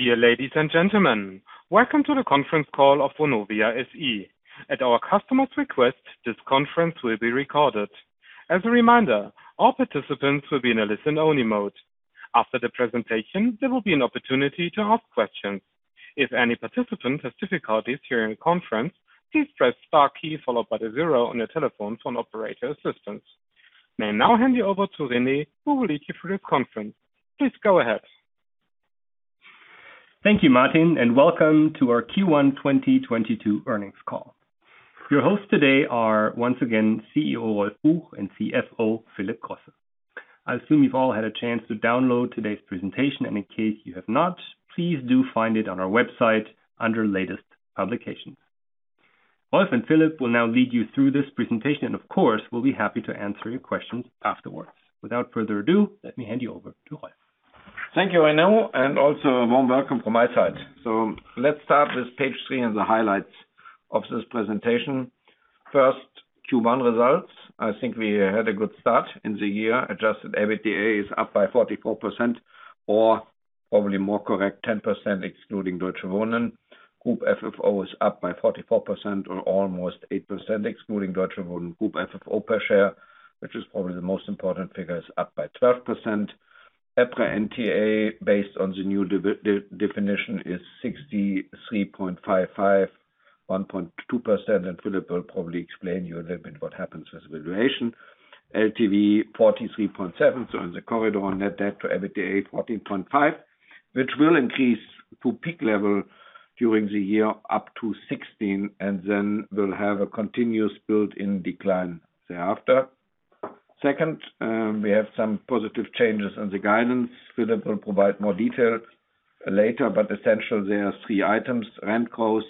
Dear ladies and gentlemen, welcome to the conference call of Vonovia SE. At our customer's request, this conference will be recorded. As a reminder, all participants will be in a listen-only mode. After the presentation, there will be an opportunity to ask questions. If any participant has difficulties hearing the conference, please press star key followed by the zero on your telephone for an operator assistance. May I now hand you over to Rene, who will lead you through the conference. Please go ahead. Thank you, Martin, and welcome to our Q1 2022 earnings call. Your hosts today are, once again, CEO Rolf Buch and CFO Philip Grosse. I assume you've all had a chance to download today's presentation, and in case you have not, please do find it on our website under Latest Publications. Rolf and Philip Grosse will now lead you through this presentation, and of course, we'll be happy to answer your questions afterwards. Without further ado, let me hand you over to Rolf. Thank you, Rene, and also a warm welcome from my side. Let's start with page three and the highlights of this presentation. First, Q1 results. I think we had a good start in the year. Adjusted EBITDA is up by 44%, or probably more correct, 10% excluding Deutsche Wohnen. Group FFO is up by 44% or almost 8% excluding Deutsche Wohnen. Group FFO per share, which is probably the most important figure, is up by 12%. EPRA NTA based on the new EPRA definition is 63.55, 1.2%. Philip will probably explain to you a little bit what happens with valuation. LTV, 43.7, so in the corridor on net debt to EBITDA, 14.5, which will increase to peak level during the year up to 16, and then will have a continuous built-in decline thereafter. Second, we have some positive changes on the guidance. Philip will provide more details later, but essentially, there are three items. Rent growth,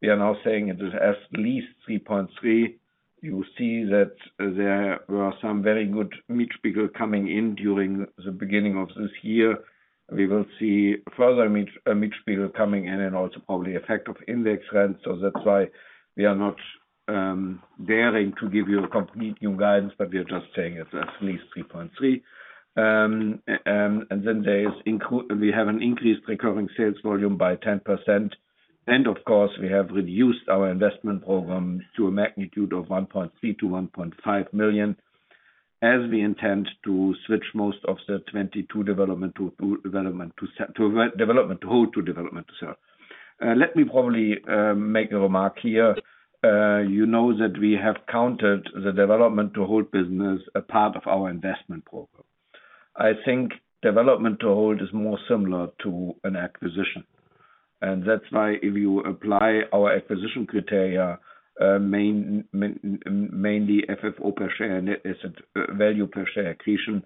we are now saying it is at least 3.3%. You see that there were some very good Mietspiegel coming in during the beginning of this year. We will see further Mietspiegel coming in and also probably effect of index rent. That's why we are not daring to give you a complete new guidance, but we are just saying it's at least 3.3%. And then we have an increased Recurring Sales volume by 10%. Of course, we have reduced our investment program to a magnitude of 1.3 million-1.5 million as we intend to switch most of the 2022 development to Development to Hold to Development to Sell. Let me make a remark here. You know that we have counted the development to hold business as part of our investment program. I think development to hold is more similar to an acquisition. That's why if you apply our acquisition criteria, mainly FFO per share and asset value per share accretion,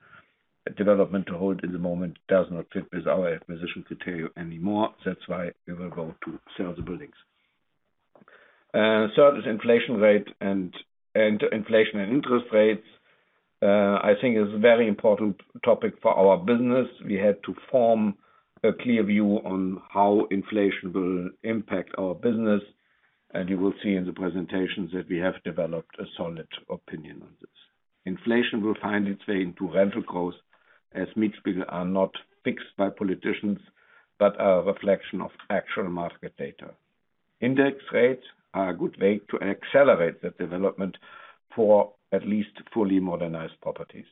development to hold in the moment does not fit with our acquisition criteria anymore. That's why we will go to sell the buildings. Third is inflation rate and inflation and interest rates. I think it is a very important topic for our business. We had to form a clear view on how inflation will impact our business, and you will see in the presentations that we have developed a solid opinion on this. Inflation will find its way into rental growth as Mietspiegel are not fixed by politicians, but are a reflection of actual market data. Index rates are a good way to accelerate the development for at least fully modernized properties.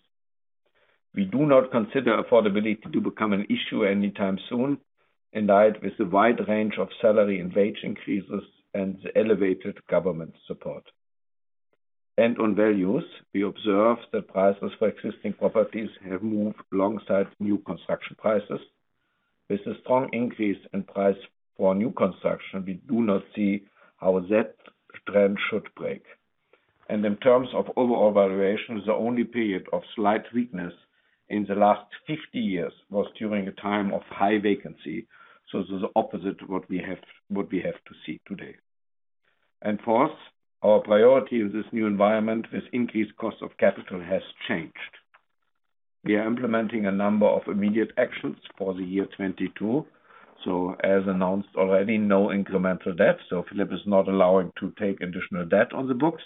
We do not consider affordability to become an issue anytime soon, in light with the wide range of salary and wage increases and the elevated government support. On values, we observe that prices for existing properties have moved alongside new construction prices. With a strong increase in price for new construction, we do not see how that trend should break. In terms of overall valuation, the only period of slight weakness in the last 50 years was during a time of high vacancy, so the opposite of what we have, what we have to see today. Fourth, our priority in this new environment with increased cost of capital has changed. We are implementing a number of immediate actions for the year 2022. As announced already, no incremental debt. Philip is not allowing to take additional debt on the books.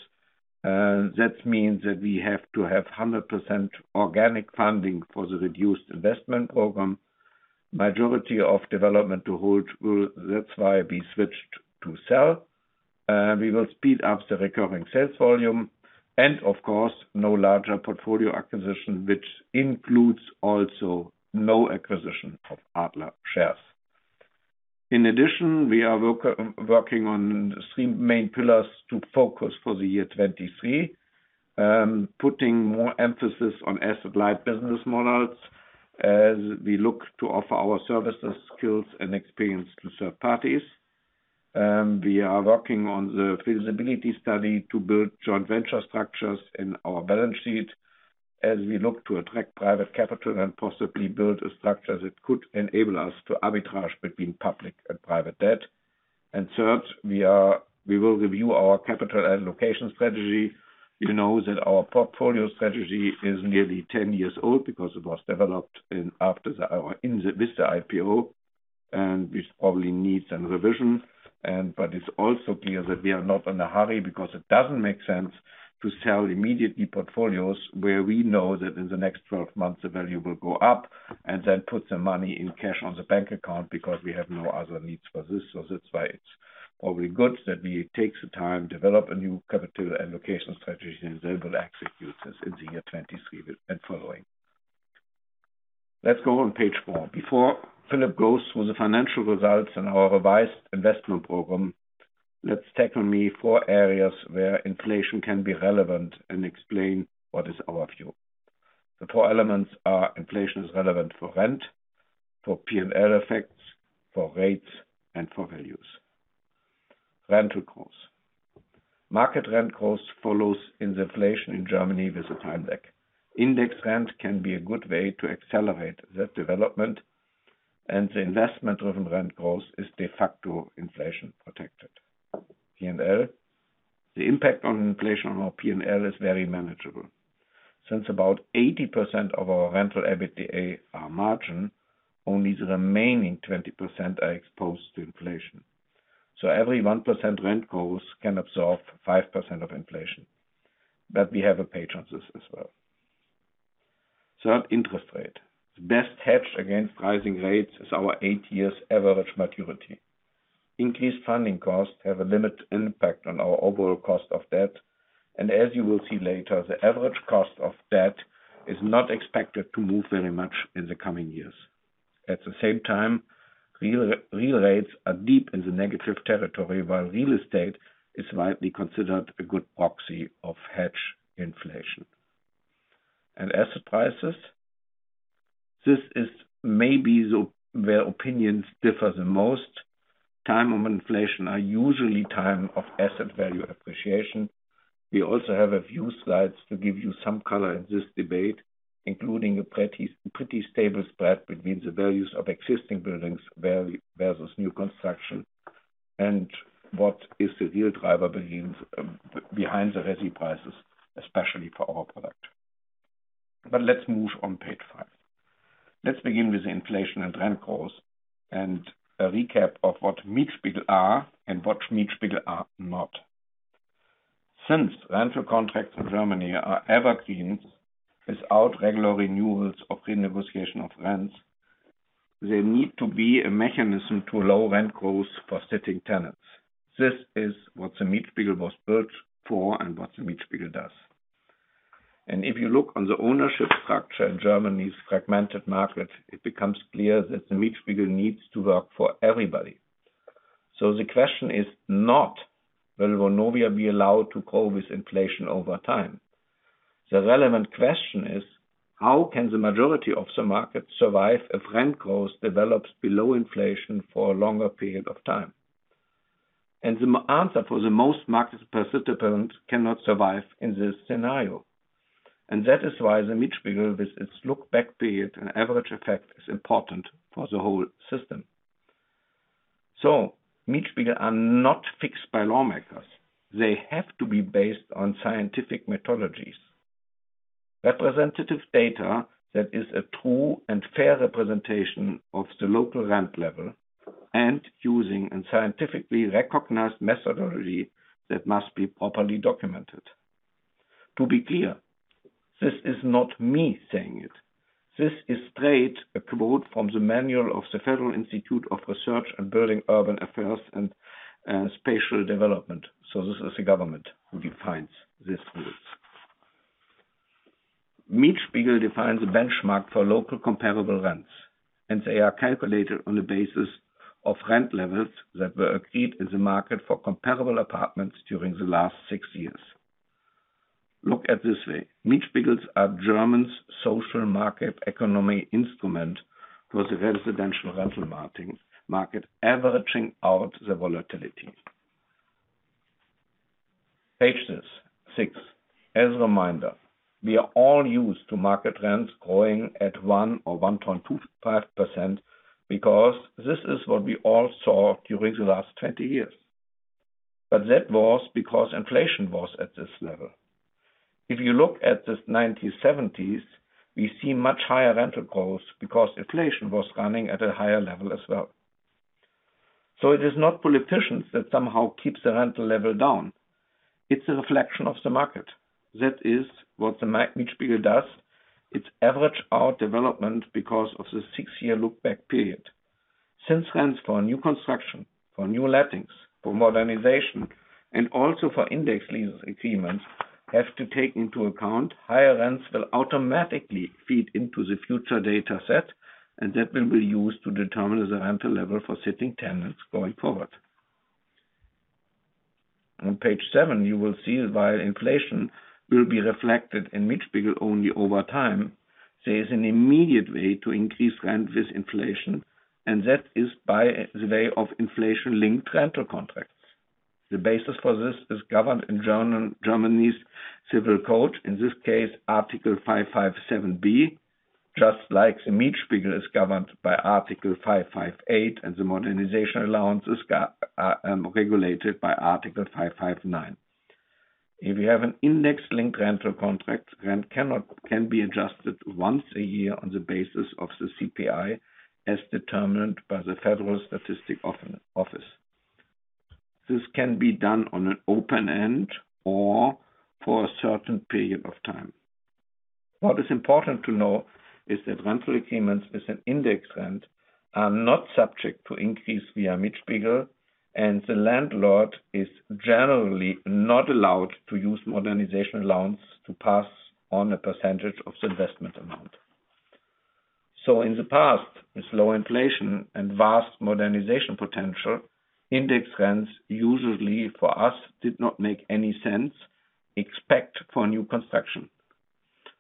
That means that we have to have 100% organic funding for the reduced investment program. Majority of development to hold. That's why we switched to sell. We will speed up the recurring sales volume. Of course, no larger portfolio acquisition, which includes also no acquisition of Adler shares. In addition, we are working on three main pillars to focus for the year 2023. Putting more emphasis on asset-light business models as we look to offer our services, skills, and experience to third parties. We are working on the feasibility study to build joint venture structures in our balance sheet as we look to attract private capital and possibly build a structure that could enable us to arbitrage between public and private debt. Third, we will review our capital and location strategy. You know that our portfolio strategy is nearly 10 years old because it was developed with the IPO. This probably needs some revision. It's also clear that we are not in a hurry because it doesn't make sense to sell immediately portfolios where we know that in the next 12 months, the value will go up and then put the money in cash on the bank account because we have no other needs for this. That's why it's probably good that we take the time, develop a new capital and location strategy, and then we'll execute this in the year 2023 and following. Let's go on page four. Before Philip goes through the financial results and our revised investment program, let's take only four areas where inflation can be relevant and explain what is our view. The four elements are inflation is relevant for rent, for P&L effects, for rates, and for values. Rental costs. Market rent costs follow the inflation in Germany with the time lag. Index rent can be a good way to accelerate that development, and the investment of rent growth is de facto inflation protected. P&L. The impact of inflation on our P&L is very manageable. Since about 80% of our rental EBITDA are margin, only the remaining 20% are exposed to inflation. Every 1% rent growth can absorb 5% of inflation. We have payback chances as well. Third, interest rate. The best hedge against rising rates is our eight-year average maturity. Increased funding costs have a limited impact on our overall cost of debt. As you will see later, the average cost of debt is not expected to move very much in the coming years. At the same time, real rates are deep in the negative territory while real estate is widely considered a good proxy to hedge inflation. Asset prices. This is maybe where opinions differ the most. Times of inflation are usually times of asset value appreciation. We also have a few slides to give you some color in this debate, including a pretty stable spread between the values of existing buildings versus new construction and what is the real driver behind behind the resi prices, especially for our product. Let's move on page five. Let's begin with inflation and rent growth, and a recap of what Mietspiegel are and what Mietspiegel are not. Since rental contracts in Germany are evergreens without regular renewals or renegotiation of rents, there need to be a mechanism to allow rent growth for sitting tenants. This is what the Mietspiegel was built for and what the Mietspiegel does. If you look on the ownership structure in Germany's fragmented market, it becomes clear that the Mietspiegel needs to work for everybody. The question is not, will Vonovia be allowed to grow with inflation over time? The relevant question is, how can the majority of the market survive if rent growth develops below inflation for a longer period of time? The answer is that the most market participants cannot survive in this scenario. That is why the Mietspiegel with its look-back period and average effect is important for the whole system. Mietspiegel are not fixed by lawmakers. They have to be based on scientific methodologies. Representative data that is a true and fair representation of the local rent level and using a scientifically recognized methodology that must be properly documented. To be clear, this is not me saying it. This is straight a quote from the manual of the Federal Institute for Research on Building, Urban Affairs and Spatial Development. This is the government who defines these rules. Mietspiegel defines a benchmark for local comparable rents, and they are calculated on the basis of rent levels that were agreed in the market for comparable apartments during the last six years. Look at this way. Mietspiegels are Germany's social market economy instrument for the residential rental market, averaging out the volatility. Page six. As a reminder, we are all used to market rents growing at 1% or 1.25% because this is what we all saw during the last 20 years. That was because inflation was at this level. If you look at the 1970s, we see much higher rental growth because inflation was running at a higher level as well. It is not politicians that somehow keeps the rental level down. It's a reflection of the market. That is what the Mietspiegel does. It average out development because of the six-year look-back period. Since rents for new construction, for new lettings, for modernization, and also for index lease agreements have to take into account, higher rents will automatically feed into the future data set, and that will be used to determine the rental level for sitting tenants going forward. On page seven, you will see that while inflation will be reflected in Mietspiegel only over time, there is an immediate way to increase rent with inflation, and that is by way of inflation-linked rental contracts. The basis for this is governed in Germany's Civil Code, in this case, § 557b BGB, just like the Mietspiegel is governed by § 558 BGB, and the modernization allowance is regulated by § 559 BGB. If you have an index-linked rental contract, rent can be adjusted once a year on the basis of the CPI, as determined by the Federal Statistical Office. This can be done on an open end or for a certain period of time. What is important to know is that rental agreements with an index rent are not subject to increase via Mietspiegel, and the landlord is generally not allowed to use modernization loans to pass on a percentage of the investment amount. In the past, with low inflation and vast modernization potential, index rents usually for us did not make any sense, except for new construction,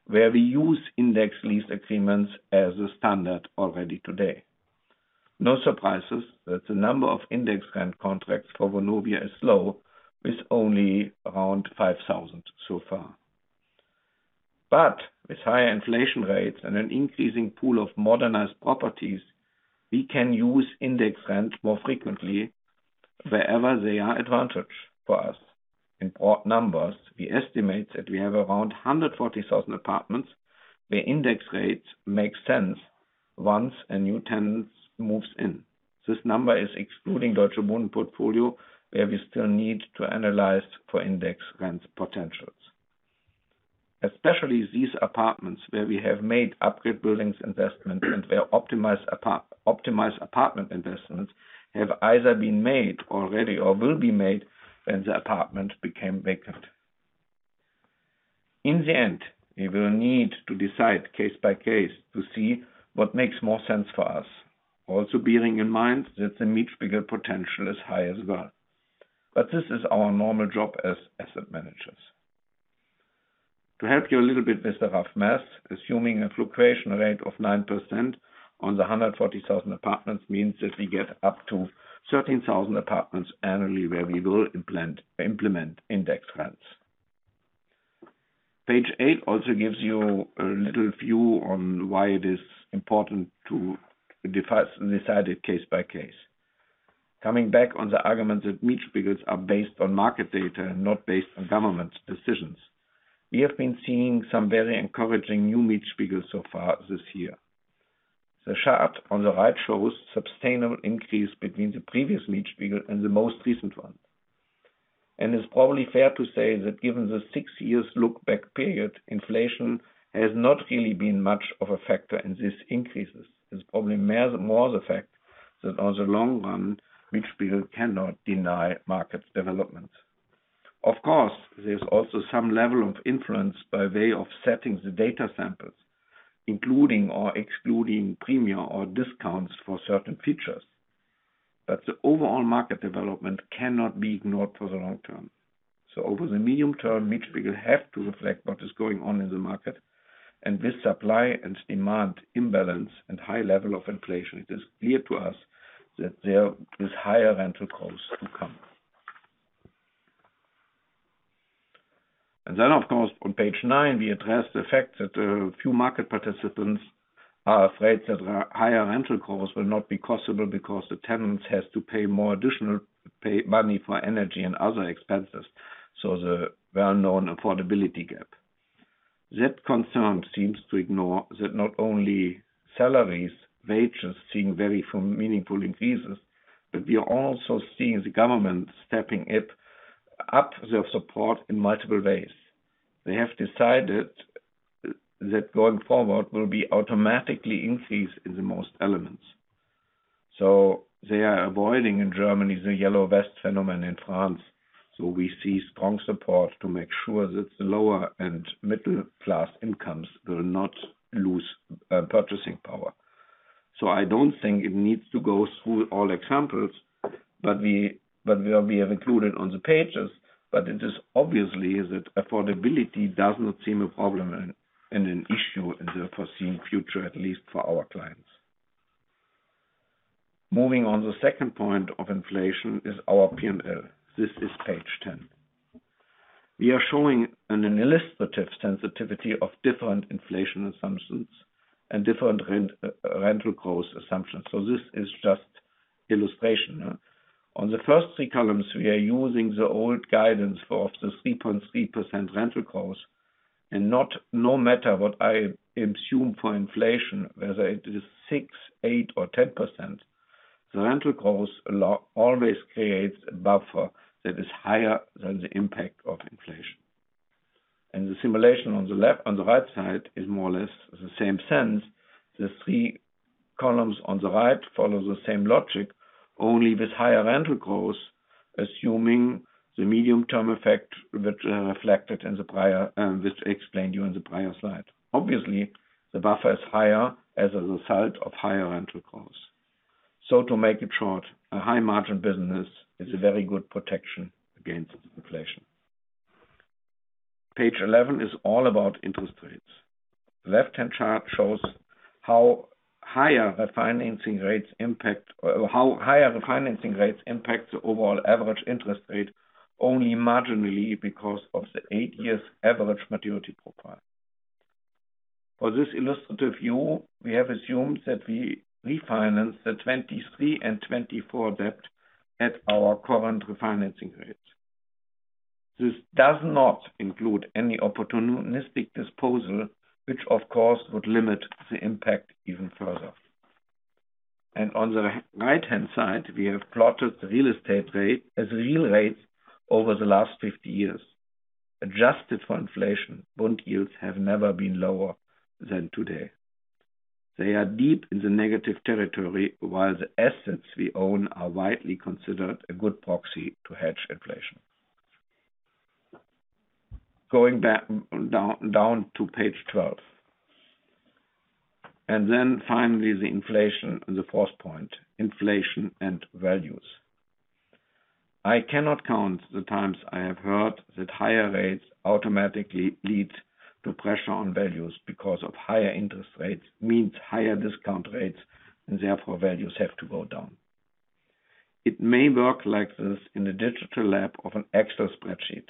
where we use index lease agreements as a standard already today. No surprises that the number of index rent contracts for Vonovia is low, with only around 5,000 so far. With higher inflation rates and an increasing pool of modernized properties, we can use index rent more frequently wherever they are an advantage for us. In broad numbers, we estimate that we have around 140,000 apartments where index rent makes sense once a new tenant moves in. This number is excluding Deutsche Wohnen portfolio, where we still need to analyze for index rent potentials. Especially these apartments where we have made Upgrade Building investments and where Optimize Apartment investments have either been made already or will be made when the apartment became vacant. In the end, we will need to decide case by case to see what makes more sense for us. Also bearing in mind that the Mietspiegel potential is high as well. This is our normal job as asset managers. To help you a little bit with the rough math, assuming a fluctuation rate of 9% on the 140,000 apartments means that we get up to 13,000 apartments annually where we will implement index rents. Page eight also gives you a little view on why it is important to decide it case by case. Coming back on the argument that Mietspiegels are based on market data and not based on government's decisions. We have been seeing some very encouraging new Mietspiegel so far this year. The chart on the right shows sustainable increase between the previous Mietspiegel and the most recent one. It's probably fair to say that given the six years look-back period, inflation has not really been much of a factor in these increases. It's probably more the fact that on the long run, Mietspiegel cannot deny market development. Of course, there's also some level of influence by way of setting the data samples, including or excluding premium or discounts for certain features. The overall market development cannot be ignored for the long term. Over the medium term, Mietspiegel have to reflect what is going on in the market and this supply and demand imbalance and high level of inflation, it is clear to us that there is higher rental growth to come. Of course, on page nine, we address the fact that a few market participants are afraid that higher rental growth will not be possible because the tenant has to pay more additional money for energy and other expenses. The well-known affordability gap. That concern seems to ignore that not only salaries and wages are seeing very meaningful increases, but we are also seeing the government stepping up their support in multiple ways. They have decided that going forward there will be automatic increases in the most elements. They are avoiding in Germany the yellow vest phenomenon in France. We see strong support to make sure that the lower and middle-class incomes will not lose purchasing power. I don't think it needs to go through all examples, but we have included on the pages. It is obvious that affordability does not seem a problem and an issue in the foreseeable future, at least for our clients. Moving on. The second point of inflation is our P&L. This is page 10. We are showing an illustrative sensitivity of different inflation assumptions and different rental growth assumptions. So this is just illustration. On the first three columns, we are using the old guidance of the 3.3% rental growth. No matter what I assume for inflation, whether it is 6%, 8%, or 10%, the rental growth always creates a buffer that is higher than the impact of inflation. The simulation on the right side is more or less the same sense. The three columns on the right follow the same logic, only with higher rental growth, assuming the medium-term effect reflected in the prior, which I explained to you in the prior slide. Obviously, the buffer is higher as a result of higher rental growth. To make it short, a high margin business is a very good protection against inflation. Page 11 is all about interest rates. Left-hand chart shows how higher financing rates impact the overall average interest rate only marginally because of the 8-year average maturity profile. For this illustrative view, we have assumed that we refinance the 2023 and 2024 debt at our current refinancing rates. This does not include any opportunistic disposal, which of course, would limit the impact even further. On the right-hand side, we have plotted the real rates as real rates over the last 50 years. Adjusted for inflation, bond yields have never been lower than today. They are deep in the negative territory, while the assets we own are widely considered a good proxy to hedge inflation. Going back down to page 12. Finally, the inflation. The fourth point, inflation and values. I cannot count the times I have heard that higher rates automatically lead to pressure on values because of higher interest rates means higher discount rates, and therefore values have to go down. It may work like this in a digital lab of an Excel spreadsheet,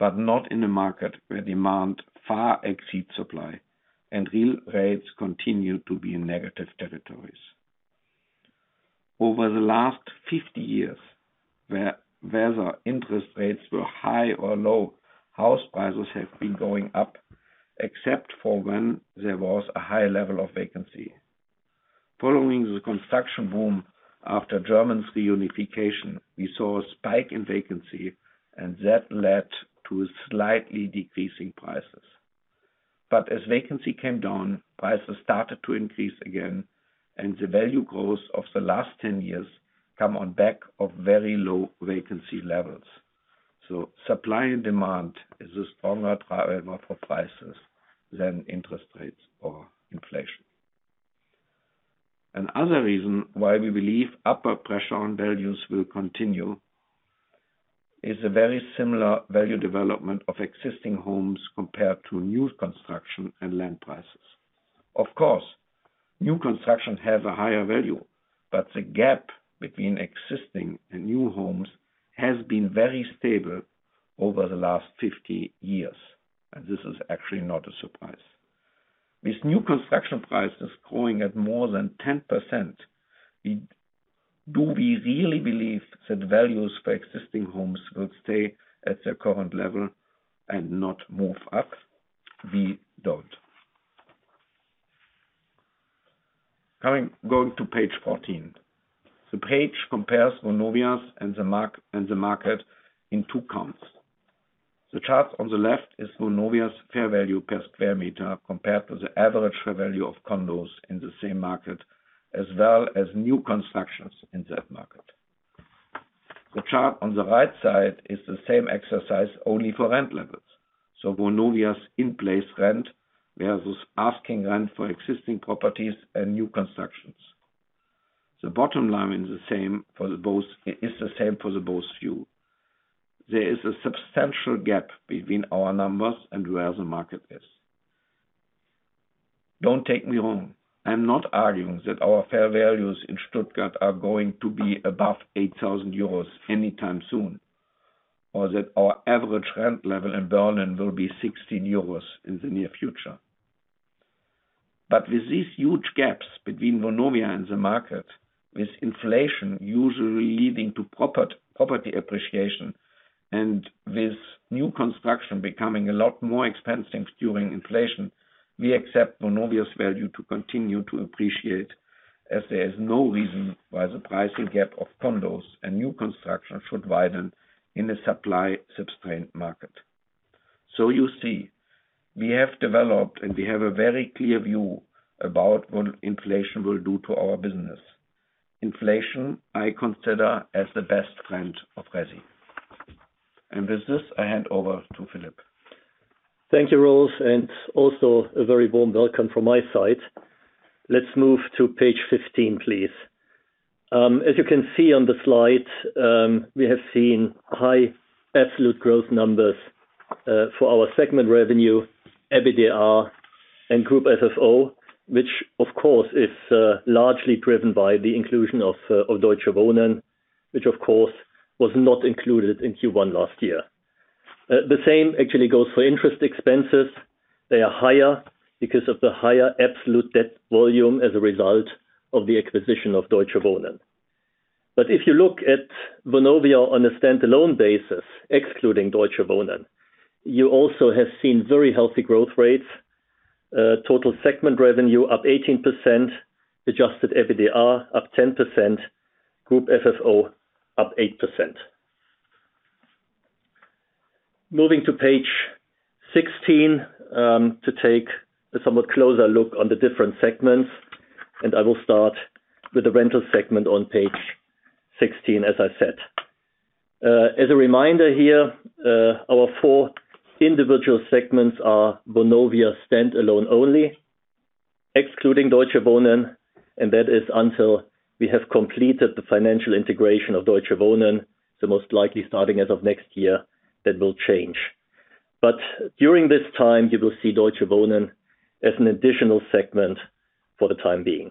but not in a market where demand far exceeds supply and real rates continue to be in negative territories. Over the last 50 years, whether interest rates were high or low, house prices have been going up, except for when there was a high level of vacancy. Following the construction boom after German reunification, we saw a spike in vacancy and that led to slightly decreasing prices. As vacancy came down, prices started to increase again, and the value growth of the last 10 years comes on the back of very low vacancy levels. Supply and demand is a stronger driver for prices than interest rates or inflation. Another reason why we believe upward pressure on values will continue is a very similar value development of existing homes compared to new construction and land prices. Of course, new construction has a higher value, but the gap between existing and new homes has been very stable over the last 50 years. This is actually not a surprise. With new construction prices growing at more than 10%, do we really believe that values for existing homes will stay at their current level and not move up? We don't. Going to page 14. The page compares Vonovia's and the market in two counts. The chart on the left is Vonovia's fair value per square meter compared to the average fair value of condos in the same market, as well as new constructions in that market. The chart on the right side is the same exercise only for rent levels. Vonovia's in-place rent versus asking rent for existing properties and new constructions. The bottom line is the same for both views. There is a substantial gap between our numbers and where the market is. Don't take me wrong, I'm not arguing that our fair values in Stuttgart are going to be above 8,000 euros anytime soon, or that our average rent level in Berlin will be 16 euros in the near future. With these huge gaps between Vonovia and the market, with inflation usually leading to property appreciation, and with new construction becoming a lot more expensive during inflation, we accept Vonovia's value to continue to appreciate as there is no reason why the pricing gap of condos and new construction should widen in a supply-constrained market. You see, we have developed and we have a very clear view about what inflation will do to our business. Inflation, I consider as the best friend of resi. With this, I hand over to Philip. Thank you, Rolf, and also a very warm welcome from my side. Let's move to page 15, please. As you can see on the slide, we have seen high absolute growth numbers for our segment revenue, EBITDA and group FFO, which of course is largely driven by the inclusion of Deutsche Wohnen, which of course was not included in Q1 last year. The same actually goes for interest expenses. They are higher because of the higher absolute debt volume as a result of the acquisition of Deutsche Wohnen. If you look at Vonovia on a stand-alone basis, excluding Deutsche Wohnen, you also have seen very healthy growth rates. Total segment revenue up 18%, adjusted EBITDA up 10%, group FFO up 8%. Moving to page 16, to take a somewhat closer look on the different segments, and I will start with the rental segment on page 16, as I said. As a reminder here, our four individual segments are Vonovia stand-alone only, excluding Deutsche Wohnen, and that is until we have completed the financial integration of Deutsche Wohnen, so most likely starting as of next year, that will change. During this time, you will see Deutsche Wohnen as an additional segment for the time being.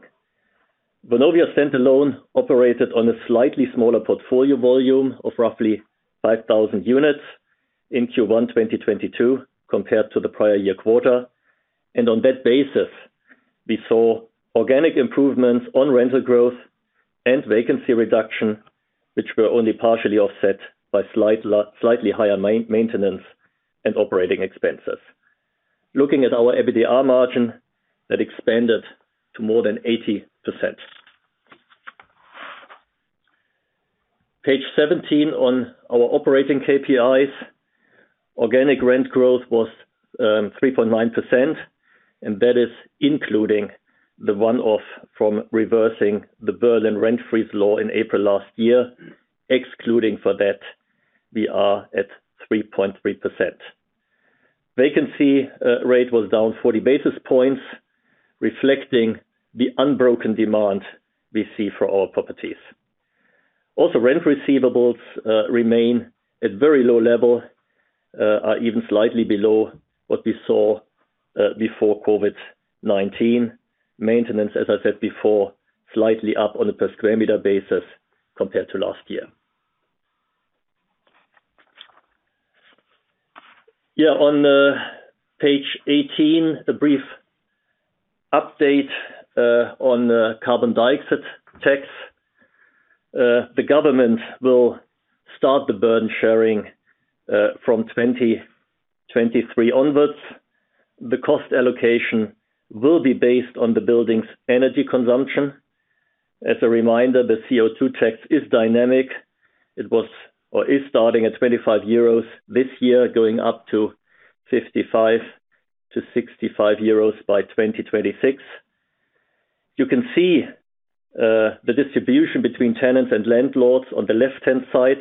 Vonovia's rental operated on a slightly smaller portfolio volume of roughly 5,000 units in Q1 2022 compared to the prior year quarter. On that basis, we saw organic improvements on rental growth and vacancy reduction, which were only partially offset by slightly higher maintenance and operating expenses. Looking at our EBITDA margin, that expanded to more than 80%. Page seventeen on our operating KPIs. Organic rent growth was 3.9%, and that is including the one-off from reversing the Berlin rent-free law in April last year. Excluding for that, we are at 3.3%. Vacancy rate was down 40 basis points, reflecting the unbroken demand we see for our properties. Also, rent receivables remain at very low level, even slightly below what we saw before COVID-19. Maintenance, as I said before, slightly up on a per square meter basis compared to last year. Yeah. On page eighteen, a brief update on the carbon dioxide tax. The government will start the burden sharing from 2023 onwards. The cost allocation will be based on the building's energy consumption. As a reminder, the CO2 tax is dynamic. It was or is starting at 25 euros this year, going up to 55-65 euros by 2026. You can see the distribution between tenants and landlords on the left-hand side.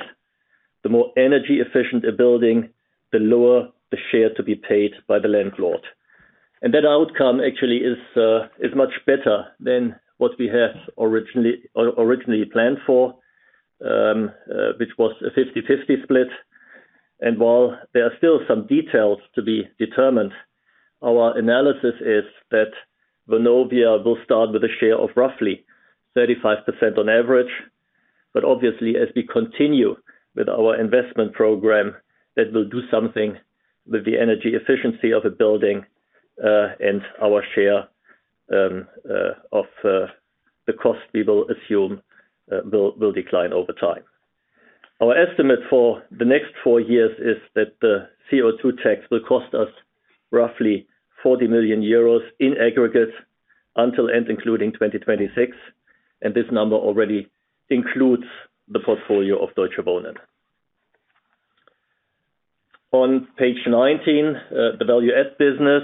The more energy efficient a building, the lower the share to be paid by the landlord. That outcome actually is much better than what we had originally, or originally planned for, which was a 50/50 split. While there are still some details to be determined, our analysis is that Vonovia will start with a share of roughly 35% on average. Obviously, as we continue with our investment program, that will do something with the energy efficiency of a building, and our share of the cost we will assume will decline over time. Our estimate for the next four years is that the CO2 tax will cost us roughly 40 million euros in aggregate until and including 2026, and this number already includes the portfolio of Deutsche Wohnen. On page 19, the value add business.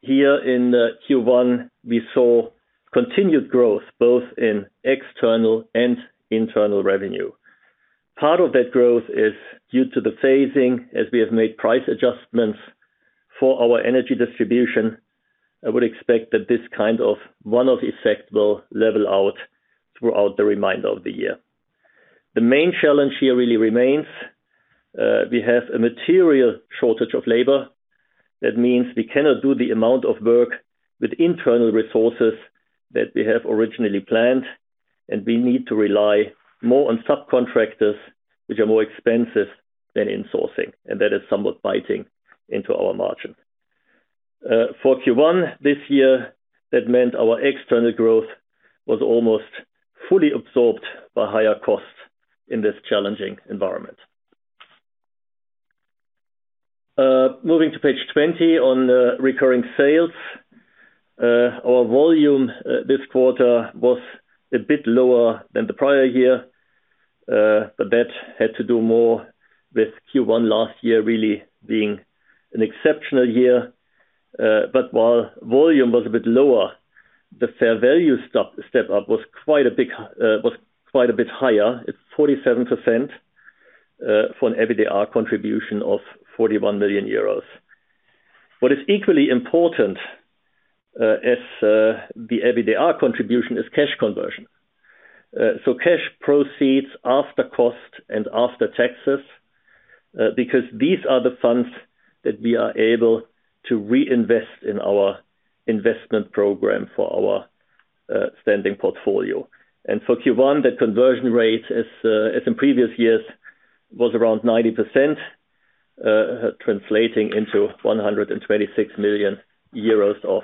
Here in Q1, we saw continued growth both in external and internal revenue. Part of that growth is due to the phasing as we have made price adjustments for our energy distribution. I would expect that this kind of one-off effect will level out throughout the remainder of the year. The main challenge here really remains, we have a material shortage of labor. That means we cannot do the amount of work with internal resources that we have originally planned, and we need to rely more on subcontractors which are more expensive than in-sourcing, and that is somewhat biting into our margin. For Q1 this year, that meant our external growth was almost fully absorbed by higher costs in this challenging environment. Moving to page 20 on recurring sales. Our volume this quarter was a bit lower than the prior year. That had to do more with Q1 last year really being an exceptional year. While volume was a bit lower, the fair value step up was quite a bit higher. It's 47%, for an EBITDA contribution of 41 million euros. What is equally important is the EBITDA contribution is cash conversion. Cash proceeds after cost and after taxes, because these are the funds that we are able to reinvest in our investment program for our standing portfolio. For Q1, that conversion rate as in previous years was around 90%, translating into 126 million euros of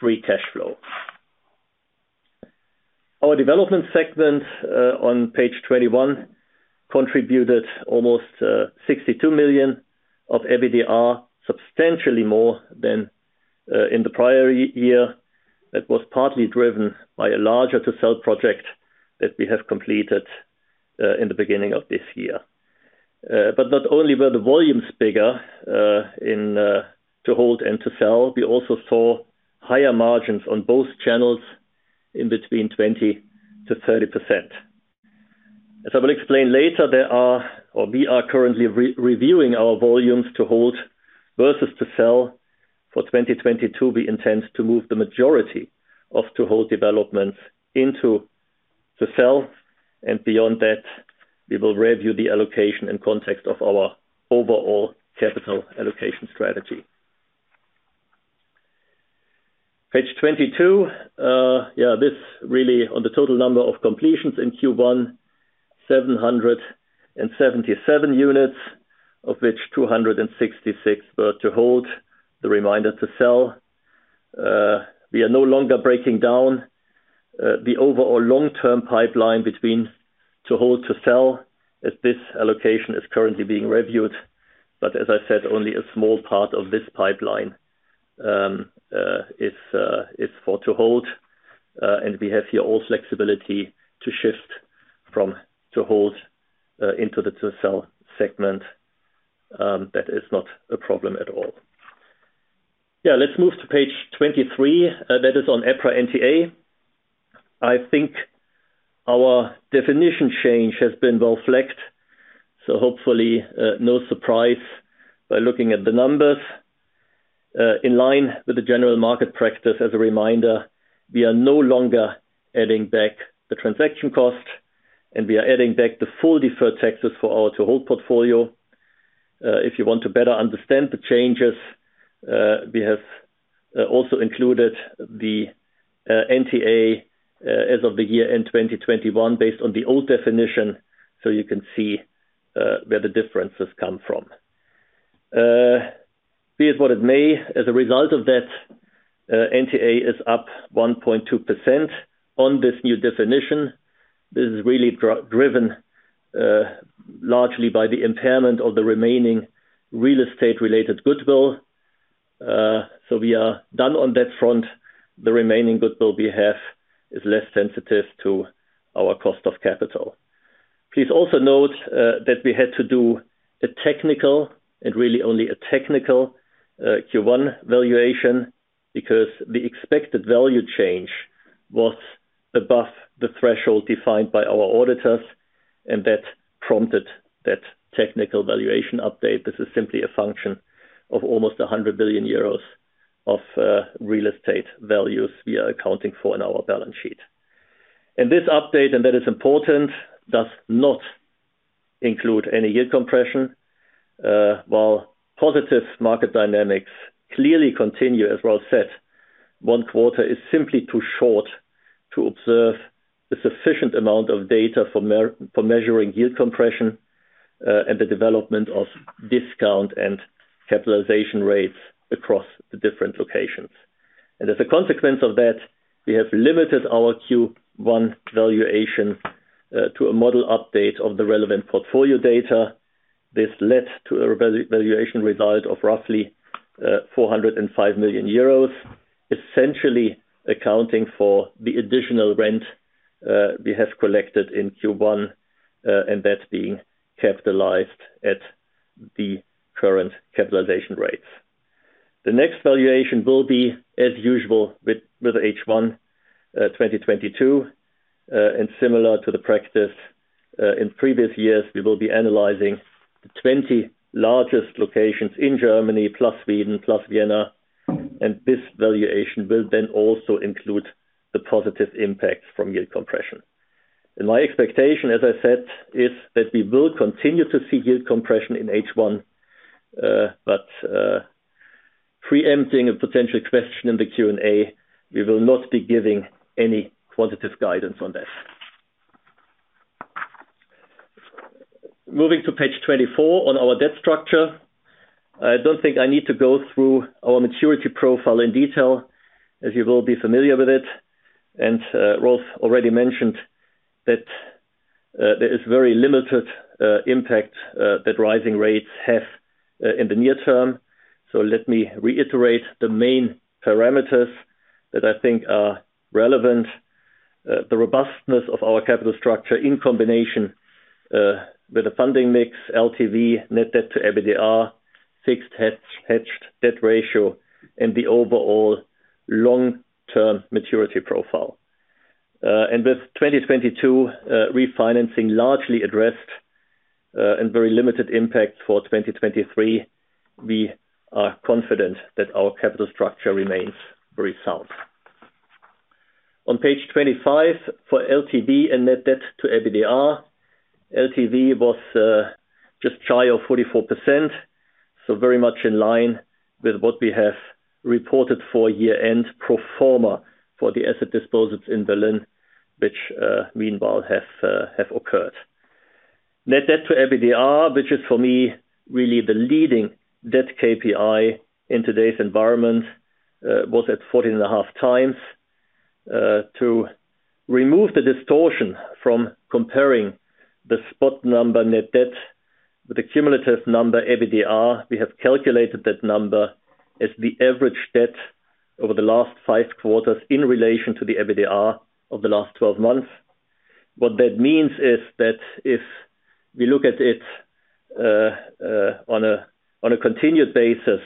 free cash flow. Our development segment on page 21 contributed almost 62 million of EBITDA, substantially more than in the prior year. That was partly driven by a larger to-sell project that we have completed in the beginning of this year. Not only were the volumes bigger in to hold and to sell, we also saw higher margins on both channels between 20%-30%. As I will explain later, we are currently reviewing our volumes to hold versus to sell. For 2022, we intend to move the majority of to-hold developments into to sell. Beyond that, we will review the allocation in context of our overall capital allocation strategy. Page 22. This really on the total number of completions in Q1, 777 units, of which 266 were to hold, the remainder to sell. We are no longer breaking down the overall long-term pipeline between to hold to sell, as this allocation is currently being reviewed. As I said, only a small part of this pipeline is for to hold, and we have here all flexibility to shift from to hold into the to sell segment. That is not a problem at all. Let's move to page 23. That is on EPRA NTA. I think our definition change has been well reflected, so hopefully no surprise by looking at the numbers. In line with the general market practice, as a reminder, we are no longer adding back the transaction costs, and we are adding back the full deferred taxes for our to hold portfolio. If you want to better understand the changes, we have also included the NTA as of the year-end 2021 based on the old definition, so you can see where the differences come from. Be it what it may, as a result of that, NTA is up 1.2% on this new definition. This is really driven largely by the impairment of the remaining real estate related goodwill. So we are done on that front. The remaining goodwill we have is less sensitive to our cost of capital. Please also note that we had to do a technical, and really only a technical, Q1 valuation because the expected value change was above the threshold defined by our auditors, and that prompted that technical valuation update. This is simply a function of almost 100 billion euros of real estate values we are accounting for in our balance sheet. This update, and that is important, does not include any yield compression. While positive market dynamics clearly continue, as Rolf said, one quarter is simply too short to observe the sufficient amount of data for measuring yield compression, and the development of discount and capitalization rates across the different locations. As a consequence of that, we have limited our Q1 valuation to a model update of the relevant portfolio data. This led to a valuation result of roughly 405 million euros, essentially accounting for the additional rent we have collected in Q1, and that's being capitalized at the current capitalization rates. The next valuation will be as usual with H1 2022. Similar to the practice in previous years, we will be analyzing the 20 largest locations in Germany, plus Sweden, plus Vienna. This valuation will then also include the positive impact from yield compression. My expectation, as I said, is that we will continue to see yield compression in H1. But preempting a potential question in the Q&A, we will not be giving any quantitative guidance on that. Moving to page 24 on our debt structure. I don't think I need to go through our maturity profile in detail, as you will be familiar with it. Rolf already mentioned that there is very limited impact that rising rates have in the near term. Let me reiterate the main parameters that I think are relevant. The robustness of our capital structure in combination with the funding mix, LTV, net debt to EBITDA, fixed-hedged debt ratio, and the overall long-term maturity profile. With 2022 refinancing largely addressed, and very limited impact for 2023, we are confident that our capital structure remains very sound. On page 25 for LTV and net debt to EBITDA. LTV was just shy of 44%, so very much in line with what we have reported for year-end pro forma for the asset disposals in Berlin, which meanwhile have occurred. Net debt to EBITDA, which is for me really the leading debt KPI in today's environment, was at 14.5x. To remove the distortion from comparing the spot number net debt with the cumulative number EBITDA, we have calculated that number as the average debt over the last five quarters in relation to the EBITDA of the last 12 months. What that means is that if we look at it on a continued basis,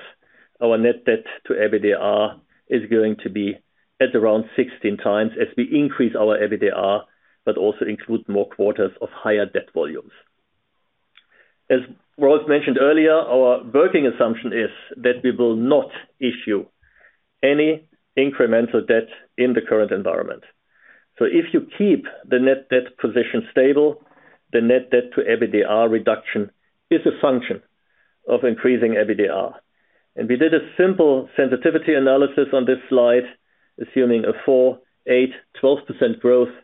our net debt to EBITDA is going to be at around 16 times as we increase our EBITDA, but also include more quarters of higher debt volumes. As Rolf mentioned earlier, our working assumption is that we will not issue any incremental debt in the current environment. If you keep the net debt position stable, the net debt to EBITDA reduction is a function of increasing EBITDA. We did a simple sensitivity analysis on this slide, assuming a 4%, 8%, 12% growth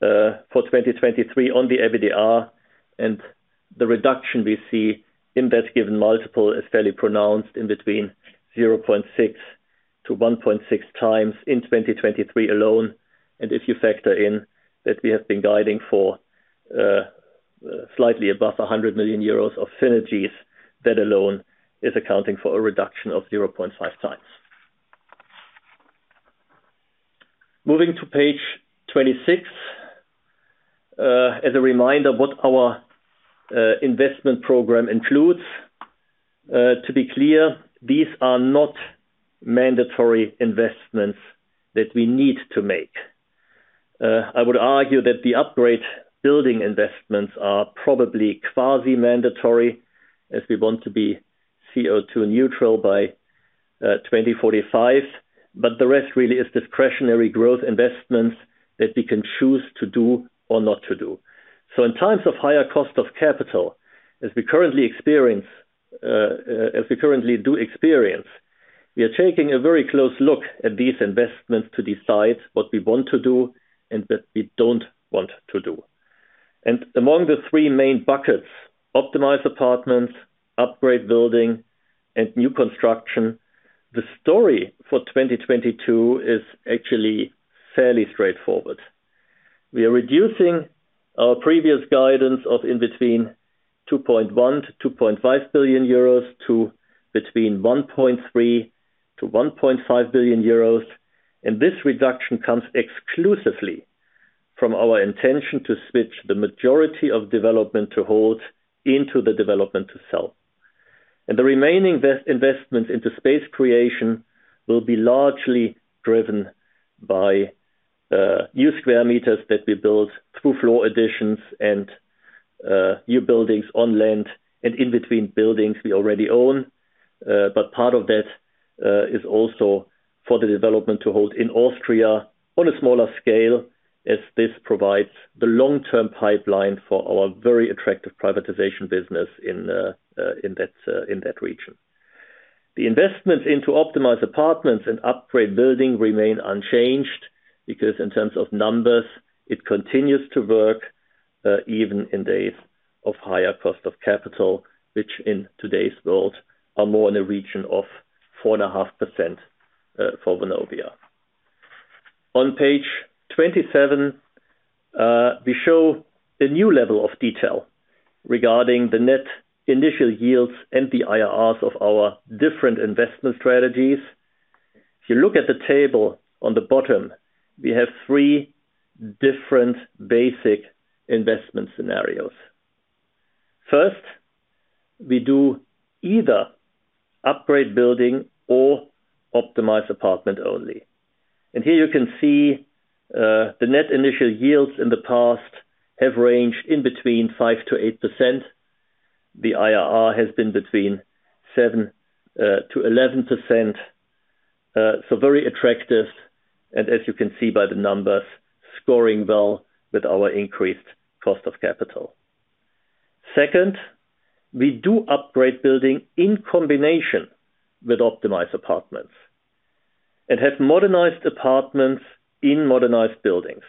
for 2023 on the EBITDA. The reduction we see in that given multiple is fairly pronounced in between 0.6x-1.6x in 2023 alone. If you factor in that we have been guiding for slightly above 100 million euros of synergies, that alone is accounting for a reduction of 0.5x. Moving to page 26, as a reminder what our investment program includes. To be clear, these are not mandatory investments that we need to make. I would argue that the Upgrade Building investments are probably quasi-mandatory as we want to be CO2 neutral by 2045. The rest really is discretionary growth investments that we can choose to do or not to do. In times of higher cost of capital, as we currently experience, we are taking a very close look at these investments to decide what we want to do and that we don't want to do. Among the three main buckets, optimize apartments, Upgrade Building, and new construction, the story for 2022 is actually fairly straightforward. We are reducing our previous guidance of between 2.1 billion-2.5 billion euros to between 1.3 billion-1.5 billion euros. This reduction comes exclusively from our intention to switch the majority of development to hold into the development to sell. The remaining investment into space creation will be largely driven by new square meters that we build through floor additions and new buildings on land and in between buildings we already own. Part of that is also for the development to hold in Austria on a smaller scale as this provides the long-term pipeline for our very attractive privatization business in that region. The investment into optimized apartments and upgrade building remain unchanged because in terms of numbers, it continues to work even in days of higher cost of capital, which in today's world are more in the region of 4.5%, for Vonovia. On page 27, we show a new level of detail regarding the net initial yields and the IRRs of our different investment strategies. If you look at the table on the bottom, we have three different basic investment scenarios. First, we do either Upgrade Building or Optimize Apartment only. Here you can see, the net initial yields in the past have ranged in between 5%-8%. The IRR has been between 7%-11%. Very attractive, and as you can see by the numbers, scoring well with our increased cost of capital. Second, we do Upgrade Building in combination with optimized apartments. It has modernized apartments in modernized buildings.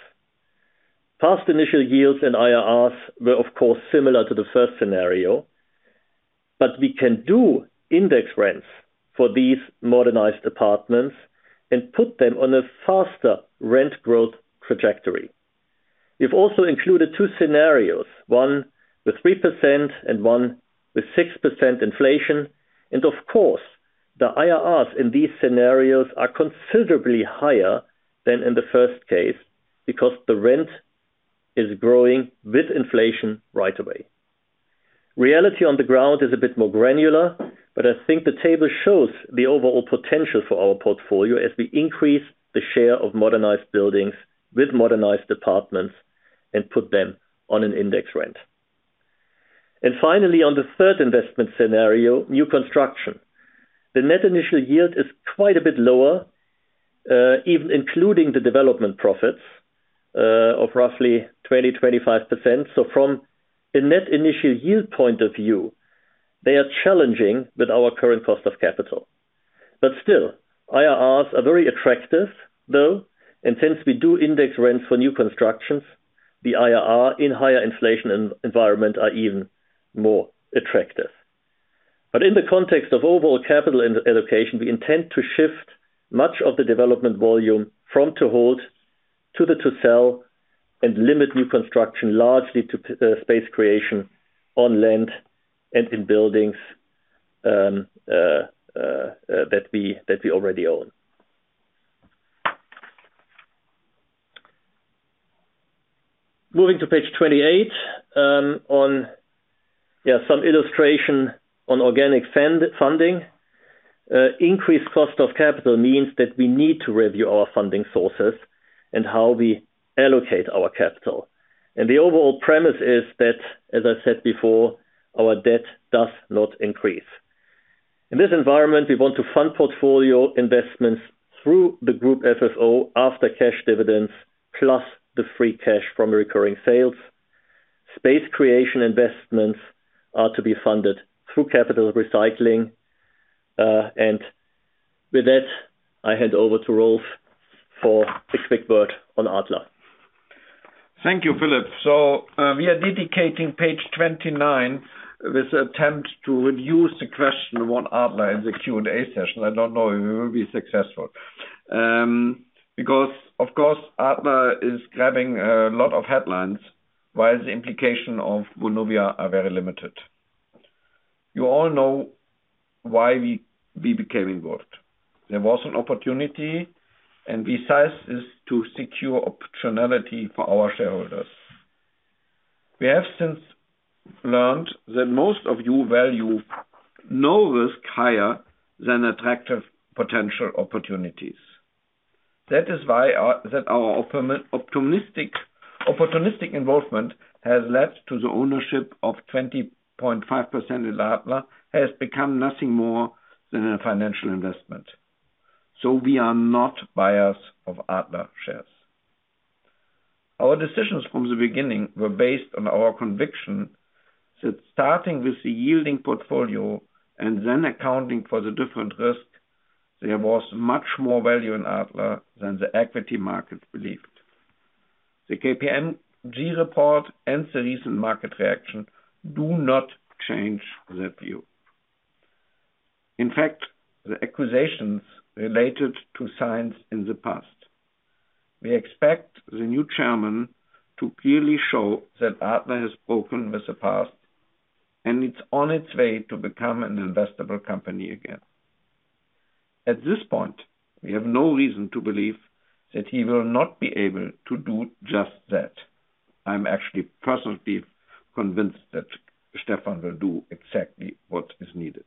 Past initial yields and IRRs were of course similar to the first scenario, but we can do index rents for these modernized apartments and put them on a faster rent growth trajectory. We've also included two scenarios, one with 3% and one with 6% inflation. Of course, the IRRs in these scenarios are considerably higher than in the first case because the rent is growing with inflation right away. Reality on the ground is a bit more granular, but I think the table shows the overall potential for our portfolio as we increase the share of modernized buildings with modernized apartments and put them on an index rent. Finally, on the third investment scenario, new construction. The net initial yield is quite a bit lower, even including the development profits, of roughly 20%-25%. From a net initial yield point of view, they are challenging with our current cost of capital. Still, IRRs are very attractive, though. Since we do index rents for new constructions, the IRR in higher inflation environment are even more attractive. In the context of overall capital allocation, we intend to shift much of the development volume from Development to hold to Development to sell and limit new construction largely to space creation on land and in buildings that we already own. Moving to page 28, some illustration on organic funding. Increased cost of capital means that we need to review our funding sources and how we allocate our capital. The overall premise is that, as I said before, our debt does not increase. In this environment, we want to fund portfolio investments through the group FFO after cash dividends plus the free cash from Recurring Sales. Space creation investments are to be funded through capital recycling. With that, I hand over to Rolf for a quick word on Adler. Thank you, Philip. We are dedicating page 29 with an attempt to reduce the questions on Adler in the Q&A session. I don't know if we will be successful. Because of course, Adler is grabbing a lot of headlines, while the implications for Vonovia are very limited. You all know why we became involved. There was an opportunity, and we seized this to secure optionality for our shareholders. We have since learned that most of you value no risk higher than attractive potential opportunities. That is why our opportunistic involvement has led to the ownership of 20.5% in Adler. [This] has become nothing more than a financial investment. We are not buyers of Adler shares. Our decisions from the beginning were based on our conviction that starting with the yielding portfolio and then accounting for the different risk, there was much more value in Adler than the equity market believed. The KPMG report and the recent market reaction do not change that view. In fact, the acquisitions are signs in the past. We expect the new chairman to clearly show that Adler has broken with the past, and it's on its way to become an investable company again. At this point, we have no reason to believe that he will not be able to do just that. I'm actually personally convinced that Stefan will do exactly what is needed.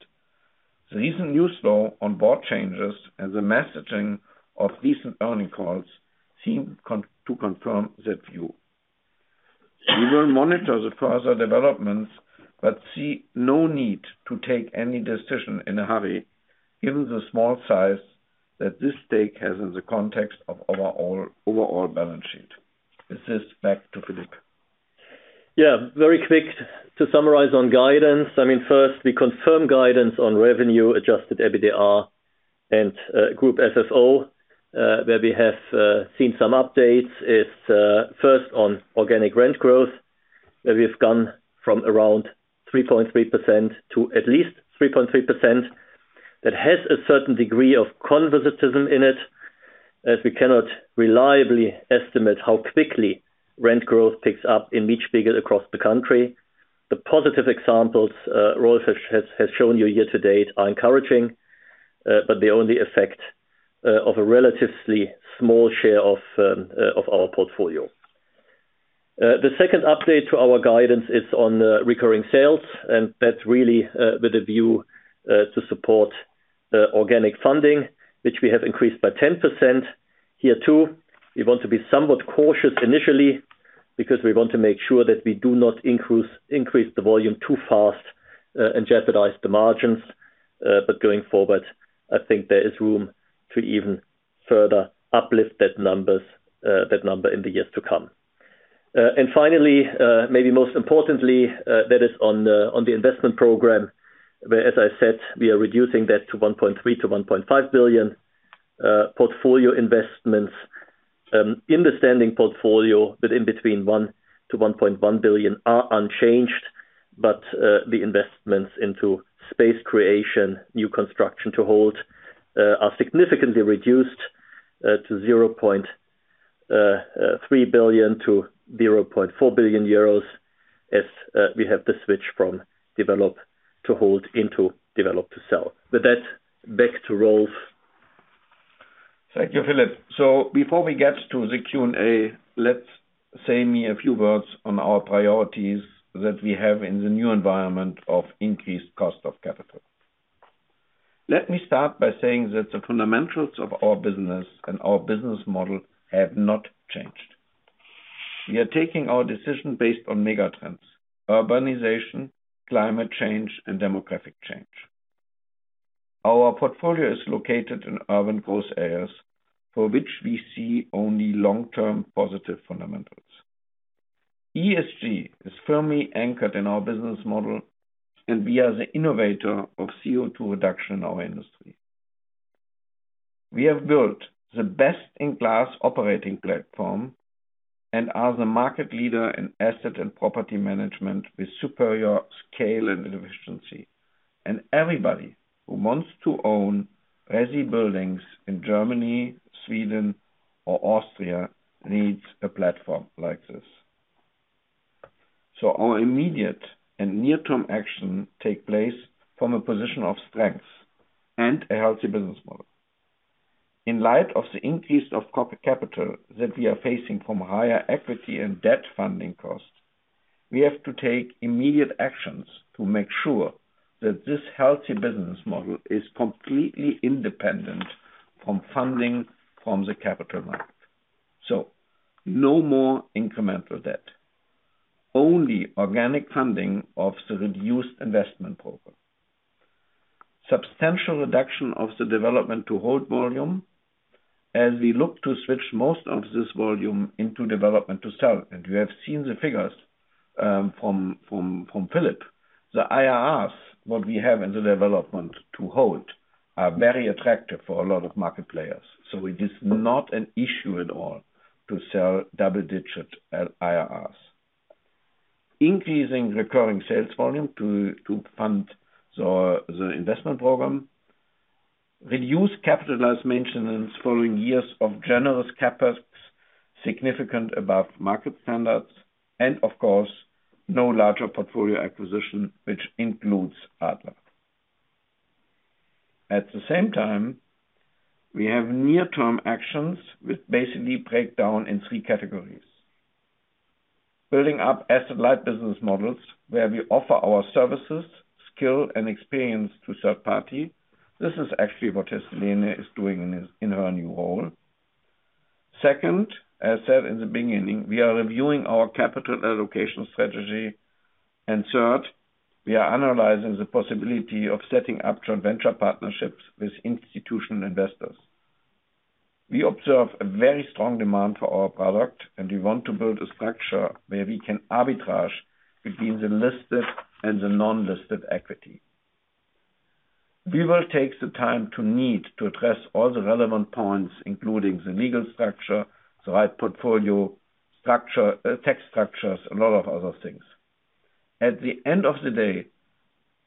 The recent news, though, on board changes and the messaging of recent earnings calls seem to confirm that view. We will monitor the further developments but see no need to take any decision in a hurry, given the small size that this stake has in the context of our overall balance sheet. With this, back to Philip. Yeah, very quick to summarize on guidance. I mean, first, we confirm guidance on revenue, adjusted EBITDA and Group FFO, where we have seen some updates. It's first on organic rent growth, where we've gone from around 3.3% to at least 3.6%. That has a certain degree of conservatism in it, as we cannot reliably estimate how quickly rent growth picks up in each region across the country. The positive examples Rolf has shown you year to date are encouraging, but they only affect a relatively small share of our portfolio. The second update to our guidance is on recurring sales, and that's really with a view to support organic funding, which we have increased by 10%. Here, too, we want to be somewhat cautious initially because we want to make sure that we do not increase the volume too fast, and jeopardize the margins. Going forward, I think there is room to even further uplift that number in the years to come. Finally, maybe most importantly, that is on the investment program, where, as I said, we are reducing that to 1.3-1.5 billion portfolio investments. In the standing portfolio, but in between 1-1.1 billion are unchanged. The investments into space creation, development to hold, are significantly reduced to 0.3-0.4 billion euros as we have to switch from development to hold into development to sell. With that, back to Rolf. Thank you, Philip. Before we get to the Q&A, let me say a few words on our priorities that we have in the new environment of increased cost of capital. Let me start by saying that the fundamentals of our business and our business model have not changed. We are taking our decision based on megatrends, urbanization, climate change and demographic change. Our portfolio is located in urban growth areas for which we see only long-term positive fundamentals. ESG is firmly anchored in our business model, and we are the innovator of CO2 reduction in our industry. We have built the best-in-class operating platform and are the market leader in asset and property management with superior scale and efficiency. Everybody who wants to own resi buildings in Germany, Sweden or Austria needs a platform like this. Our immediate and near-term action take place from a position of strength and a healthy business model. In light of the increase of corporate capital that we are facing from higher equity and debt funding costs. We have to take immediate actions to make sure that this healthy business model is completely independent from funding from the capital market. No more incremental debt. Only organic funding of the reduced investment program. Substantial reduction of the Development to hold volume as we look to switch most of this volume into Development to sell. We have seen the figures from Philip. The IRRs what we have in the Development to hold are very attractive for a lot of market players. It is not an issue at all to sell double-digit IRRs. Increasing Recurring Sales volume to fund the investment program. Reduce capitalized maintenance following years of generous CapEx, significant above market standards and of course, no larger portfolio acquisition, which includes Adler Group. At the same time, we have near-term actions, which basically break down in three categories. Building up asset-light business models where we offer our services, skill and experience to third party. This is actually what Helene von Roeder is doing in his, in her new role. Second, as said in the beginning, we are reviewing our capital allocation strategy. Third, we are analyzing the possibility of setting up joint venture partnerships with institutional investors. We observe a very strong demand for our product, and we want to build a structure where we can arbitrage between the listed and the non-listed equity. We will take the time we need to address all the relevant points, including the legal structure, the right portfolio structure, tax structures, a lot of other things. At the end of the day,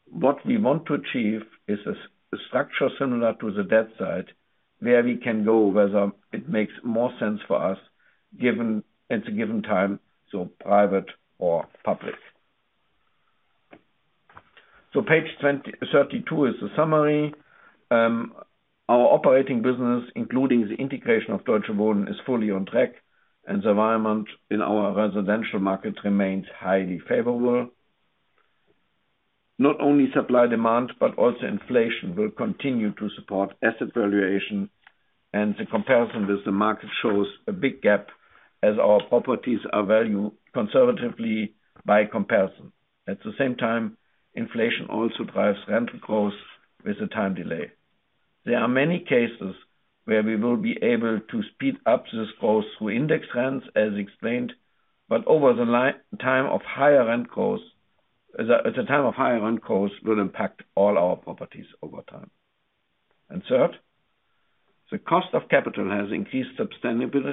what we want to achieve is a structure similar to the debt side where we can go whether it makes more sense for us given, at a given time, so private or public. Page 20-32 is the summary. Our operating business, including the integration of Deutsche Wohnen, is fully on track, and the environment in our residential market remains highly favorable. Not only supply-demand, but also inflation will continue to support asset valuation, and the comparison with the market shows a big gap as our properties are valued conservatively by comparison. At the same time, inflation also drives rental growth with a time delay. There are many cases where we will be able to speed up this growth through index rents, as explained, but over the long term, the time of higher rent costs will impact all our properties over time. Third, the cost of capital has increased sustainably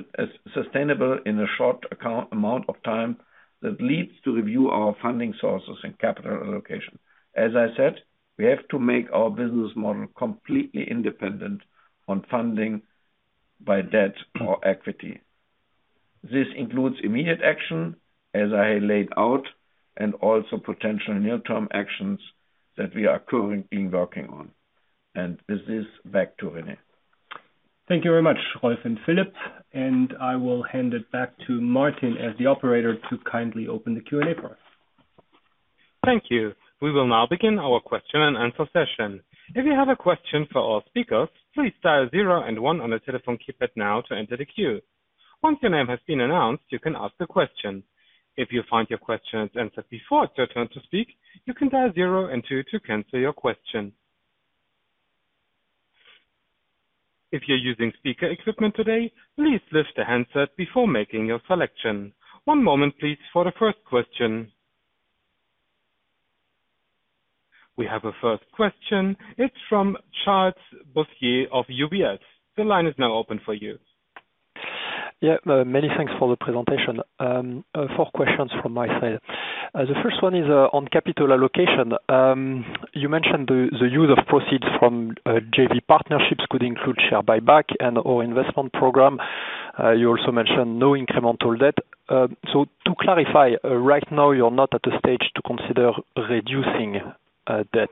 in a short amount of time that leads to review our funding sources and capital allocation. As I said, we have to make our business model completely independent of funding by debt or equity. This includes immediate action, as I laid out, and also potential near-term actions that we are currently working on. With this, back to Rene. Thank you very much, Rolf and Philip, and I will hand it back to Martin as the operator to kindly open the Q&A part. Thank you. We will now begin our question-and-answer session. If you have a question for our speakers, please dial zero and one on your telephone keypad now to enter the queue. Once your name has been announced, you can ask the question. If you find your question is answered before it's your turn to speak, you can dial zero and two to cancel your question. If you're using speaker equipment today, please lift the handset before making your selection. One moment, please, for the first question. We have a first question. It's from Charles Boissier of UBS. The line is now open for you. Yeah. Many thanks for the presentation. Four questions from my side. The first one is on capital allocation. You mentioned the use of proceeds from JV partnerships could include share buyback and or investment program. You also mentioned no incremental debt. To clarify, right now you're not at a stage to consider reducing debt.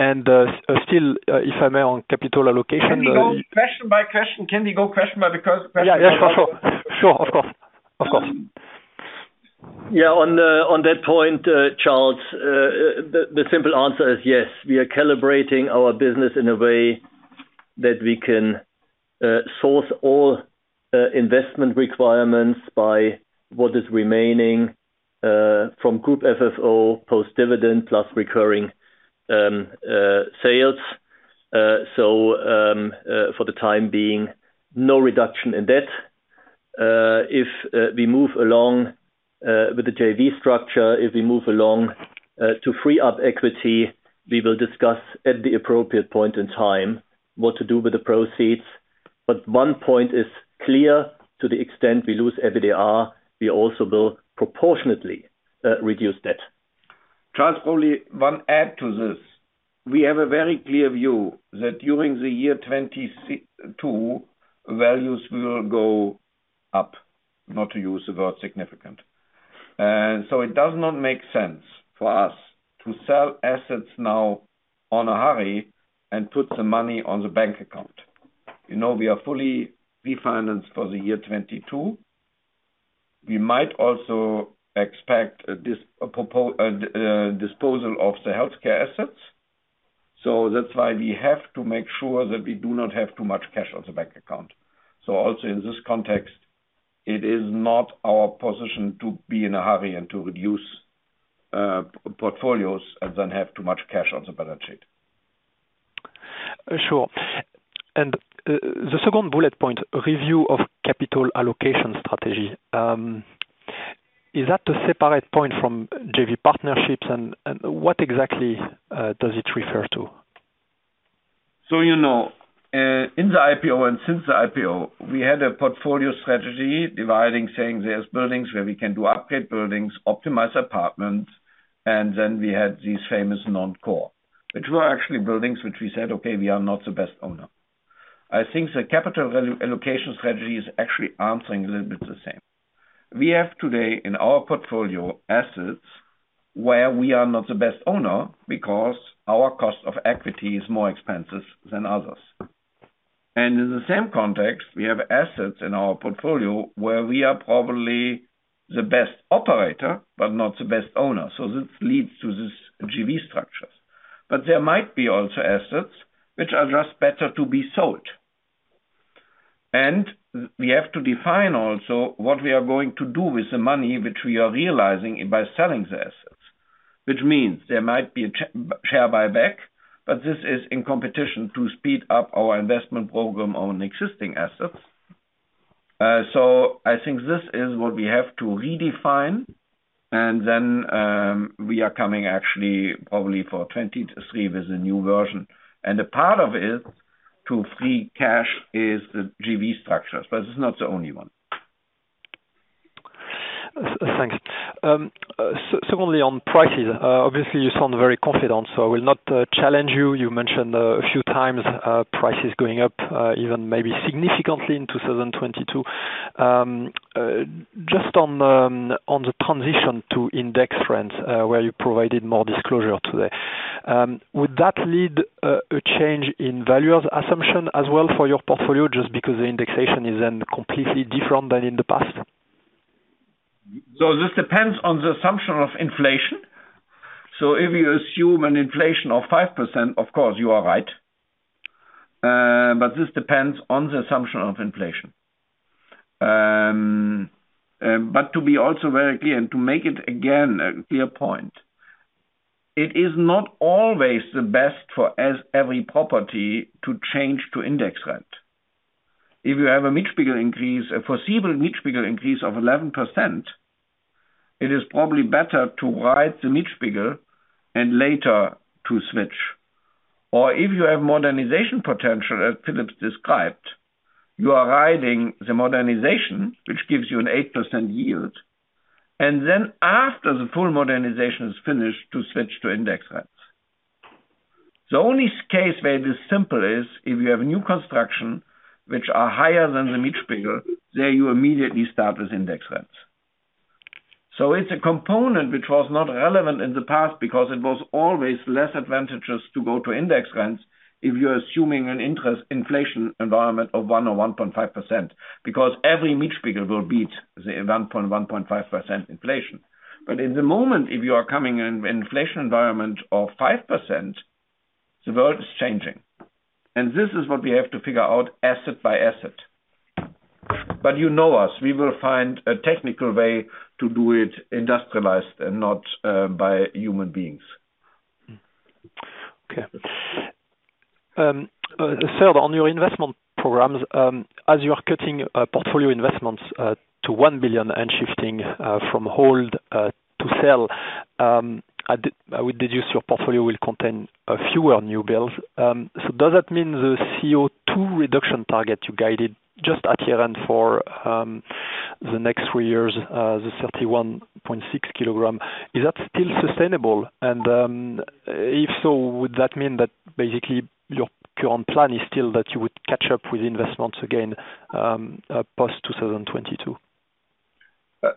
Still, if I may, on capital allocation. Can we go question by question? Can we go question by the first question? Yeah, yeah. For sure. Sure. Of course. Of course. Yeah. On that point, Charles, the simple answer is yes. We are calibrating our business in a way that we can source all investment requirements by what is remaining from group FFO post-dividend plus Recurring Sales. For the time being, no reduction in debt. If we move along with the JV structure, if we move along to free up equity, we will discuss at the appropriate point in time what to do with the proceeds. One point is clear, to the extent we lose EBITDA, we also will proportionately reduce debt. Charles, only one add to this. We have a very clear view that during the year 2022, values will go up, not to use the word significant. So it does not make sense for us to sell assets now in a hurry and put the money in the bank account. You know, we are fully refinanced for the year 2022. We might also expect this disposal of the healthcare assets. That's why we have to make sure that we do not have too much cash in the bank account. Also in this context, it is not our position to be in a hurry and to reduce portfolios and then have too much cash on the balance sheet. Sure. The second bullet point, review of capital allocation strategy. Is that a separate point from JV partnerships? What exactly does it refer to? You know, in the IPO and since the IPO, we had a portfolio strategy dividing, saying there's buildings where we can do Upgrade Building, Optimize Apartment. Then we had these famous non-core, which were actually buildings which we said, "Okay, we are not the best owner." I think the capital value allocation strategy is actually answering a little bit the same. We have today in our portfolio assets where we are not the best owner because our cost of equity is more expensive than others. In the same context, we have assets in our portfolio where we are probably the best operator, but not the best owner. This leads to this JV structures. But there might be also assets which are just better to be sold. We have to define also what we are going to do with the money which we are realizing by selling the assets, which means there might be a share buyback, but this is in competition to speed up our investment program on existing assets. I think this is what we have to redefine. We are coming actually probably for 2023 with a new version. A part of it to free cash is the JV structures, but it's not the only one. Thanks. Secondly, on prices, obviously you sound very confident, so I will not challenge you. You mentioned a few times prices going up, even maybe significantly in 2022. Just on the transition to index rent, where you provided more disclosure today, would that lead to a change in value assumption as well for your portfolio just because the indexation is then completely different than in the past? This depends on the assumption of inflation. If you assume an inflation of 5%, of course you are right. This depends on the assumption of inflation. To be also very clear, and to make it again a clear point, it is not always the best for every property to change to index rent. If you have a Mietspiegel increase, a foreseeable Mietspiegel increase of 11%, it is probably better to ride the Mietspiegel and later to switch. Or if you have modernization potential, as Philip described, you are riding the modernization, which gives you an 8% yield, and then after the full modernization is finished, to switch to index rents. The only case where it is simple is if you have new construction which are higher than the Mietspiegel. There you immediately start with index rents. It's a component which was not relevant in the past because it was always less advantageous to go to index rents if you're assuming an interest inflation environment of 1% or 1.5%, because every Mietspiegel will beat the 1.5% inflation. In the moment, if you are coming in an inflation environment of 5%, the world is changing. This is what we have to figure out asset by asset. You know us, we will find a technical way to do it industrialized and not by human beings. Okay. Third, on your investment programs, as you are cutting portfolio investments to 1 billion and shifting from hold to sell, I would deduce your portfolio will contain fewer new builds. Does that mean the CO2 reduction target you guided just at year-end for the next three years, the 31.6 kgs, is that still sustainable? If so, would that mean that basically your current plan is still that you would catch up with investments again post 2022?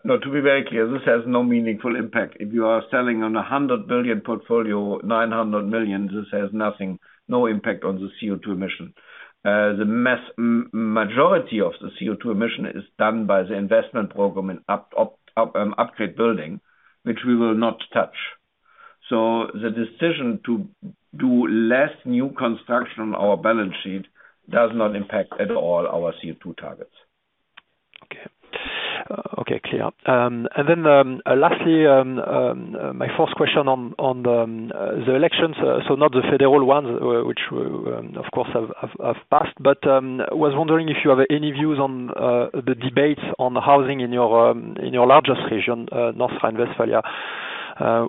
No, to be very clear, this has no meaningful impact. If you are selling on a 100 billion portfolio, 900 million, this has nothing, no impact on the CO2 emission. The majority of the CO2 emission is done by the investment program in Upgrade Building, which we will not touch. The decision to do less new construction on our balance sheet does not impact at all our CO2 targets. Okay. Okay, clear. My fourth question on the elections, not the federal ones which of course have passed. Was wondering if you have any views on the debates on housing in your largest region, North Rhine-Westphalia,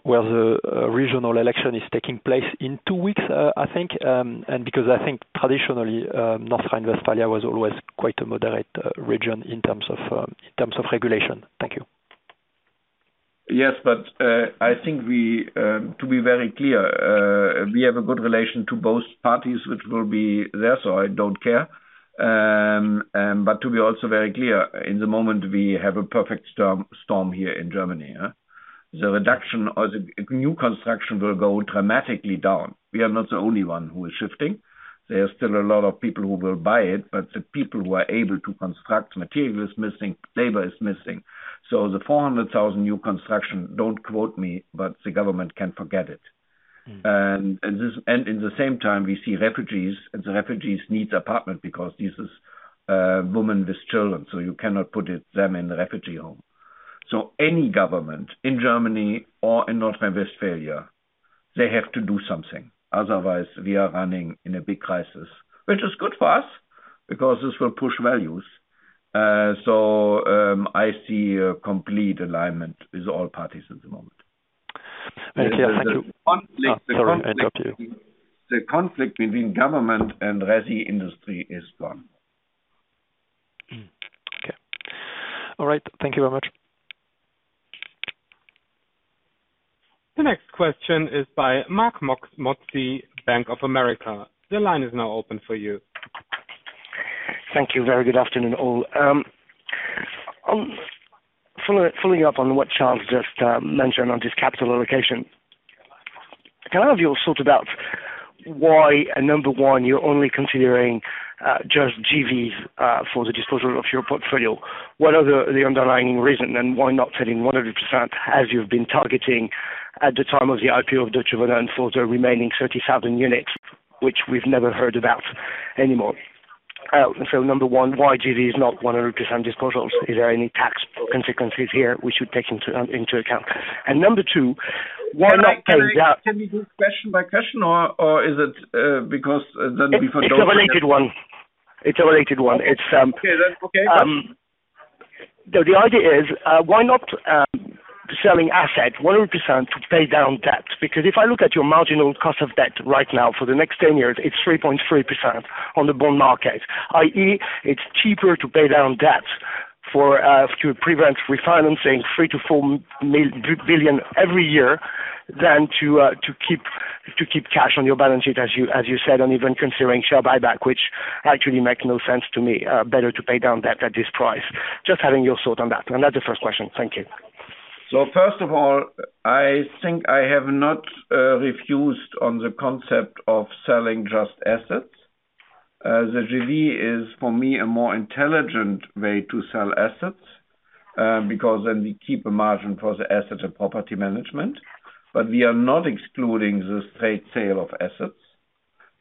where the regional election is taking place in two weeks, I think. Because I think traditionally, North Rhine-Westphalia was always quite a moderate region in terms of regulation. Thank you. Yes, I think, to be very clear, we have a good relation to both parties which will be there, so I don't care. To be also very clear, in the moment, we have a perfect storm here in Germany. The reduction or the new construction will go dramatically down. We are not the only one who is shifting. There are still a lot of people who will buy it, but the people who are able to construct, construction material is missing, labor is missing. The 400,000 new construction, don't quote me, but the government can forget it. At the same time, we see refugees, and the refugees need apartment because this is women with children, so you cannot put them in the refugee home. Any government in Germany or in North Rhine-Westphalia, they have to do something. Otherwise, we are running into a big crisis, which is good for us because this will push values. I see a complete alignment with all parties at the moment. Thank you. The conflict- Sorry, I interrupt you. The conflict between government and resi industry is gone. Okay. All right. Thank you very much. The next question is by Marc Mozzi, Bank of America. The line is now open for you. Thank you. Very good afternoon all. Following up on what Charles just mentioned on his capital allocation. Can I have your thought about why, number one, you're only considering just JVs for the disposal of your portfolio? What are the underlying reason and why not selling 100% as you've been targeting at the time of the IPO of Deutsche Wohnen for the remaining 30,000 units, which we've never heard about anymore? Number one, why JV is not 100% disposals? Is there any tax consequences here we should take into account? Number two, why not pay down- Can we do question by question or is it, because then before? It's a related one. Okay. Okay. The idea is why not selling asset 100% to pay down debt? Because if I look at your marginal cost of debt right now for the next 10 years, it's 3.3% on the bond market, i.e., it's cheaper to pay down debt to prevent refinancing 3 billion-4 billion every year than to keep cash on your balance sheet, as you said, and even considering share buyback, which actually make no sense to me. Better to pay down debt at this price. Just having your thought on that. That's the first question. Thank you. First of all, I think I have not refused on the concept of selling just assets. The JV is, for me, a more intelligent way to sell assets, because then we keep a margin for the asset and property management. We are not excluding the straight sale of assets.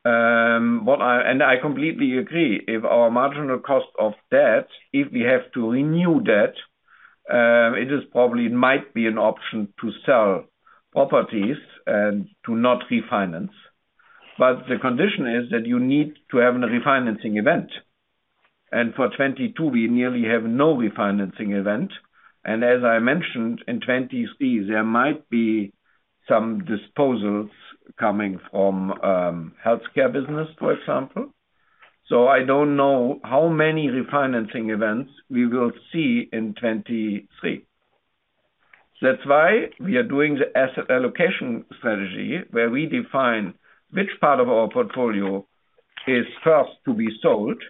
I completely agree, if our marginal cost of debt, if we have to renew debt, it is probably might be an option to sell properties and to not refinance. The condition is that you need to have a refinancing event. For 2022, we nearly have no refinancing event. As I mentioned, in 2023, there might be some disposals coming from healthcare business, for example. I don't know how many refinancing events we will see in 2023. That's why we are doing the asset allocation strategy, where we define which part of our portfolio is first to be sold.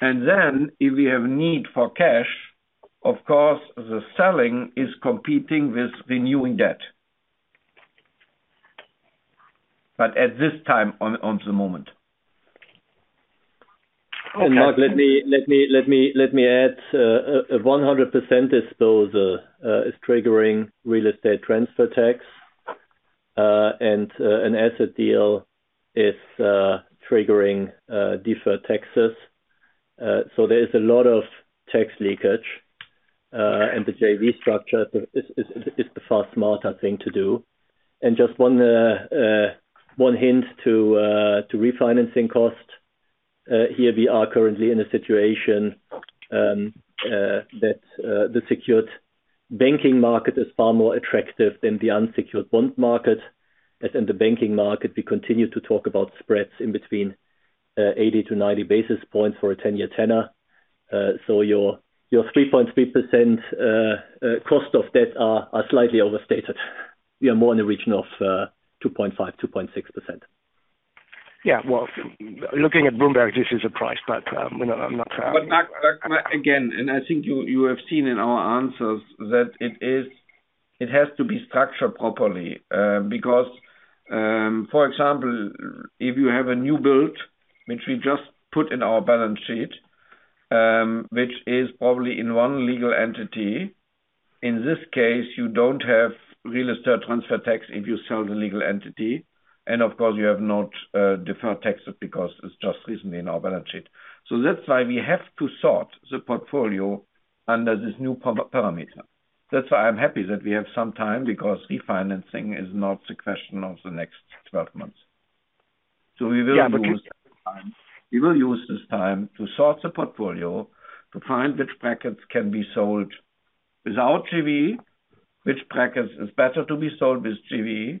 Then if we have need for cash, of course, the selling is competing with renewing debt. At this time, at the moment. Okay. Marc, let me add, 100% disposal is triggering real estate transfer tax, and an asset deal is triggering deferred taxes. There is a lot of tax leakage, and the JV structure is the far smarter thing to do. Just one hint to refinancing cost. Here we are currently in a situation that the secured banking market is far more attractive than the unsecured bond market. As in the banking market, we continue to talk about spreads in between 80-90 basis points for a 10-year tenor. Your 3.3% cost of debt are slightly overstated. You are more in the region of 2.5%-2.6%. Yeah. Well, looking at Bloomberg, this is a price, but, you know, I'm not- Marc Mozzi, Marc Mozzi, Marc Mozzi again, I think you have seen in our answers that it has to be structured properly, because for example, if you have a new build, which we just put in our balance sheet, which is probably in one legal entity, in this case, you don't have real estate transfer tax if you sell the legal entity. Of course, you have not deferred taxes because it's just recently in our balance sheet. That's why we have to sort the portfolio under this new parameter. That's why I'm happy that we have some time because refinancing is not the question of the next 12 months. We will use- Yeah, but you- We will use this time to sort the portfolio to find which packets can be sold without JV, which packets is better to be sold with JV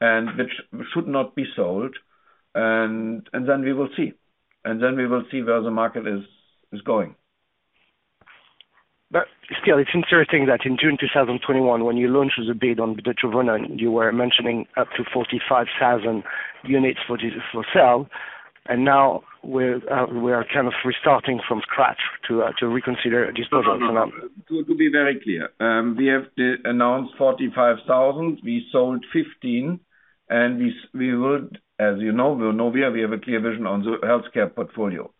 and which should not be sold. We will see where the market is going. Still, it's interesting that in June 2021, when you launched the bid on Deutsche Wohnen, you were mentioning up to 45,000 units for this for sale. We are kind of restarting from scratch to reconsider disposal for now. To be very clear, we have the announced 45,000, we sold 15 and we would, as you know, we're Vonovia, we have a clear vision on the healthcare portfolio.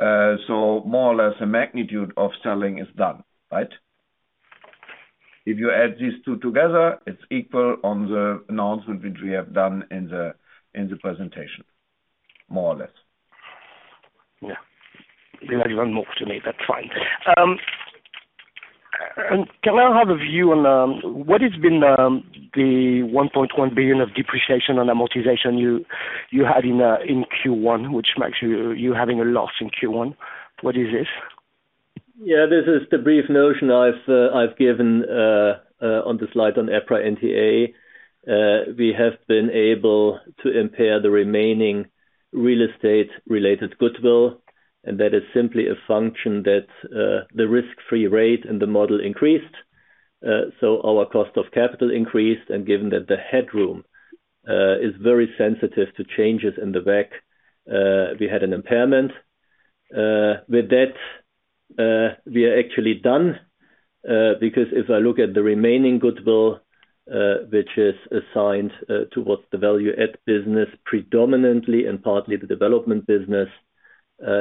More or less the magnitude of selling is done, right? If you add these two together, it's equal to the announcement which we have done in the presentation, more or less. Yeah. They are even more to me. That's fine. Can I have a view on what has been the 1.1 billion of depreciation and amortization you had in Q1, which makes you having a loss in Q1? What is this? This is the brief notion I've given on the slide on EPRA NTA. We have been able to impair the remaining real estate related goodwill, and that is simply a function of the risk-free rate and the model increased. Our cost of capital increased, and given that the headroom is very sensitive to changes in the WACC, we had an impairment. With that, we are actually done, because if I look at the remaining goodwill, which is assigned towards the Value-Add business predominantly and partly the Development business,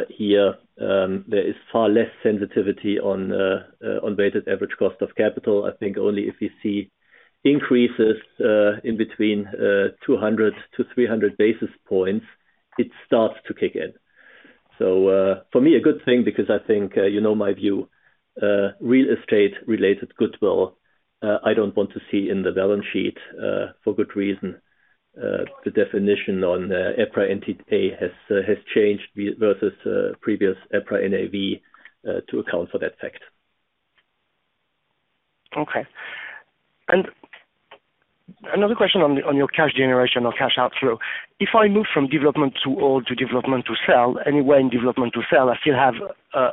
here, there is far less sensitivity on weighted average cost of capital. I think only if you see increases in between 200-300 basis points, it starts to kick in. For me, a good thing because I think, you know, my view, real estate related goodwill, I don't want to see in the balance sheet, for good reason. The definition on EPRA NTA has changed versus previous EPRA NAV, to account for that fact. Okay. Another question on your cash generation or cash outflow. If I move from development to hold to development to sell, anywhere in development to sell, I still have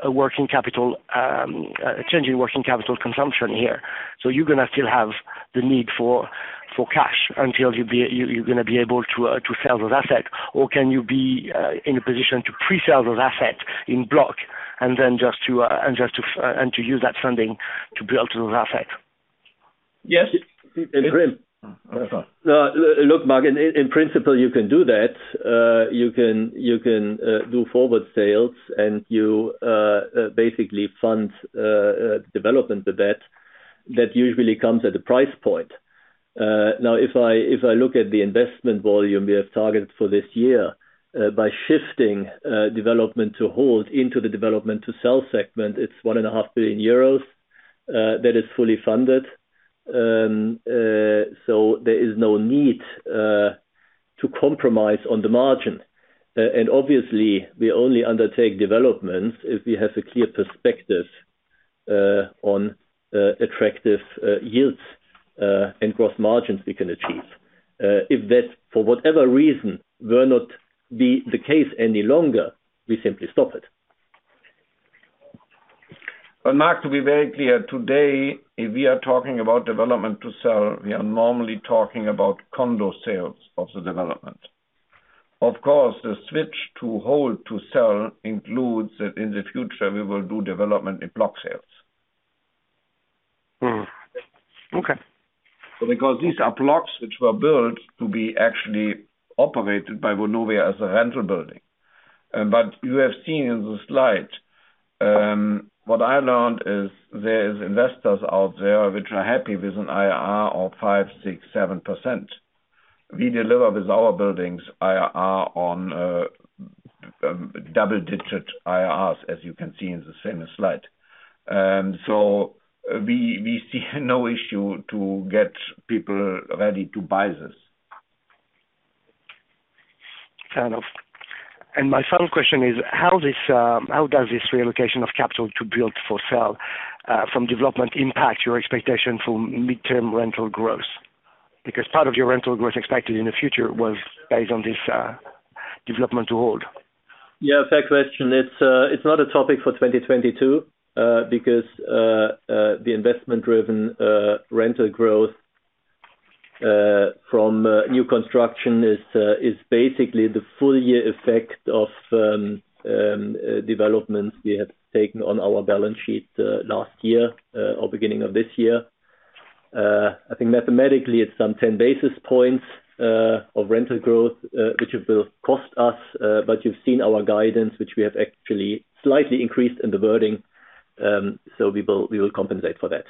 a working capital, a change in working capital consumption here. So you're gonna still have the need for cash until you're gonna be able to sell those assets. Or can you be in a position to pre-sell those assets in block and then just to use that funding to build those assets? Yes. It's grim. No, look, Marc, in principle, you can do that. You can do forward sales and you basically fund development with that. That usually comes at a price point. Now, if I look at the investment volume we have targeted for this year, by shifting development to hold into the development to sell segment, it's 1.5 billion euros that is fully funded. There is no need to compromise on the margin. Obviously we only undertake developments if we have a clear perspective on attractive yields and gross margins we can achieve. If that, for whatever reason, will not be the case any longer, we simply stop it. Marc, to be very clear, today, if we are talking about Development to Sell, we are normally talking about condo sales of the development. Of course, the switch to hold to sell includes that in the future we will do development in block sales. Okay. Because these are blocks which were built to be actually operated by Vonovia as a rental building. You have seen in the slide, what I learned is there is investors out there which are happy with an IRR of 5%, 6%, 7%. We deliver with our buildings IRR on double-digit IRRs, as you can see in the same slide. We see no issue to get people ready to buy this. Kind of. My final question is, how does this reallocation of capital to build for sale from development impact your expectation for midterm rental growth? Because part of your rental growth expected in the future was based on this development to hold. Yeah, fair question. It's not a topic for 2022, because the investment-driven rental growth from new construction is basically the full-year effect of developments we have taken on our balance sheet last year or beginning of this year. I think mathematically, it's some 10 basis points of rental growth which it will cost us. You've seen our guidance, which we have actually slightly increased in the wording, so we will compensate for that.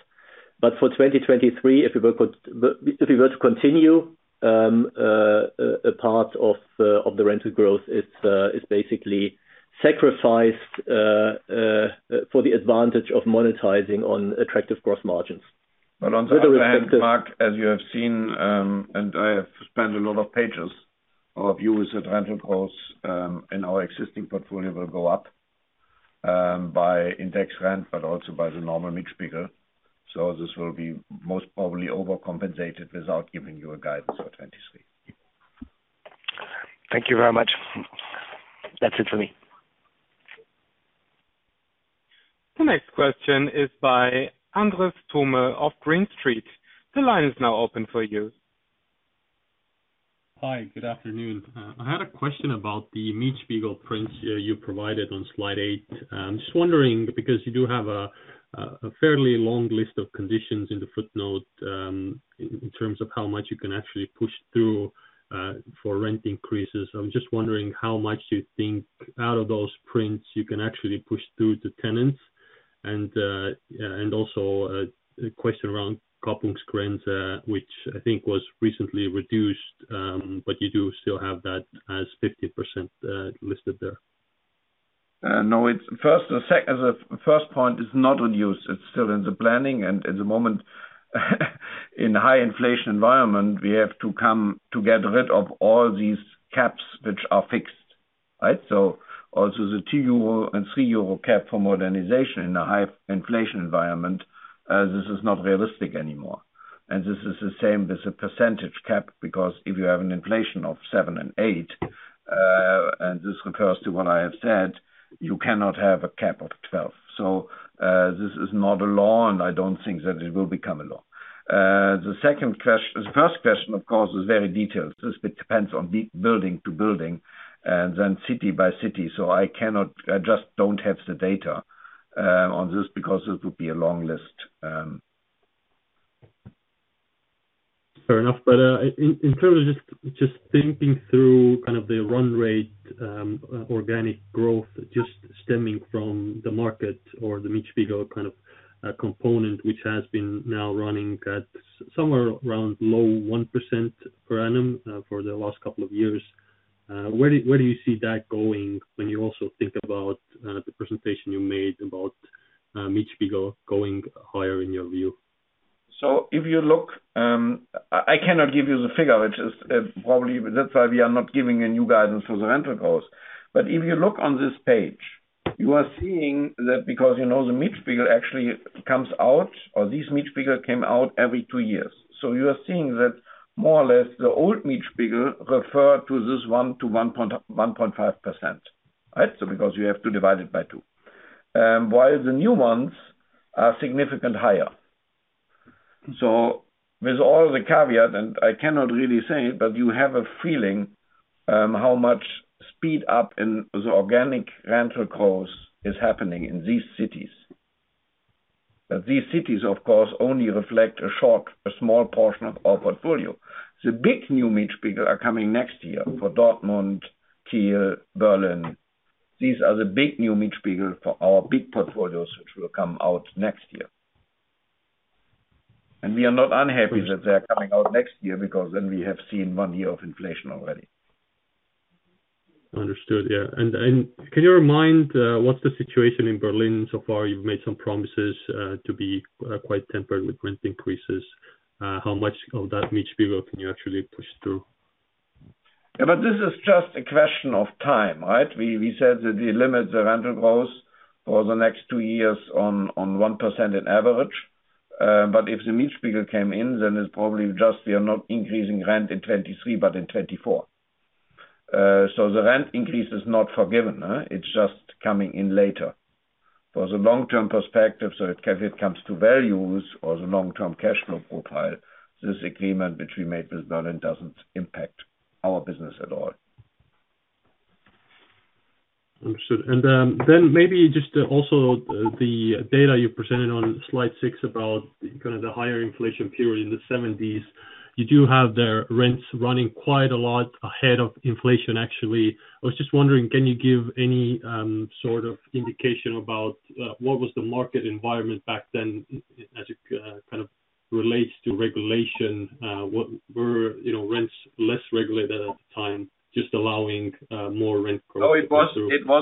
For 2023, if we were to continue a part of the rental growth, it's basically sacrificed for the advantage of monetizing on attractive gross margins. On the other hand, Marc, as you have seen, and I have spent a lot of pages, our view is that rental growth in our existing portfolio will go up by index rent, but also by the normal Mietspiegel. This will be most probably overcompensated without giving you a guidance for 2023. Thank you very much. That's it for me. The next question is by Andres Toome of Green Street. The line is now open for you. Hi, good afternoon. I had a question about the Mietspiegel prints you provided on slide 8. I'm just wondering because you do have a fairly long list of conditions in the footnote, in terms of how much you can actually push through for rent increases. I'm just wondering how much you think out of those prints you can actually push through to tenants. Also a question around Kappungsgrenze, which I think was recently reduced, but you do still have that as 50%, listed there. No, as a first point is not reduced. It's still in the planning. At the moment, in high inflation environment, we have to come to get rid of all these caps which are fixed, right? Also the 2 euro and 3 euro cap for modernization in a high inflation environment, this is not realistic anymore. This is the same with the percentage cap, because if you have an inflation of 7% and 8%, and this refers to what I have said, you cannot have a cap of 12%. This is not a law, and I don't think that it will become a law. The first question, of course, is very detailed. This depends on building to building and then city by city. So I cannot... I just don't have the data on this because it would be a long list. Fair enough. In terms of just thinking through kind of the run rate, organic growth just stemming from the market or the Mietspiegel kind of component, which has been now running at somewhere around low 1% per annum, for the last couple of years, where do you see that going when you also think about the presentation you made about Mietspiegel going higher in your view? If you look, I cannot give you the figure, which is probably that's why we are not giving a new guidance to the rental growth. If you look on this page, you are seeing that because, you know, the Mietspiegel actually comes out or this Mietspiegel came out every two years. You are seeing that more or less the old Mietspiegel refer to this 1%-1.5%. Right? Because you have to divide it by two. While the new ones are significant higher. With all the caveat, and I cannot really say, but you have a feeling how much speed up in the organic rental growth is happening in these cities. These cities, of course, only reflect a short, a small portion of our portfolio. The big new Mietspiegel are coming next year for Dortmund, Kiel, Berlin. These are the big new Mietspiegel for our big portfolios, which will come out next year. We are not unhappy that they are coming out next year because then we have seen one year of inflation already. Understood. Yeah. Can you remind what's the situation in Berlin so far? You've made some promises to be quite tempered with rent increases. How much of that Mietspiegel can you actually push through? Yeah, this is just a question of time, right? We said that we limit the rental growth for the next two years to 1% on average. If the Mietspiegel came in, then it's probably just we are not increasing rent in 2023, but in 2024. The rent increase is not foregone, huh? It's just coming in later. For the long-term perspective, if it comes to values or the long-term cash flow profile, this agreement which we made with Berlin doesn't impact our business at all. Understood. Maybe just also the data you presented on slide six about kind of the higher inflation period in the 1970s. You do have the rents running quite a lot ahead of inflation, actually. I was just wondering, can you give any sort of indication about what was the market environment back then as it kind of relates to regulation? What were, you know, rents less regulated at the time, just allowing more rent growth to go through? No,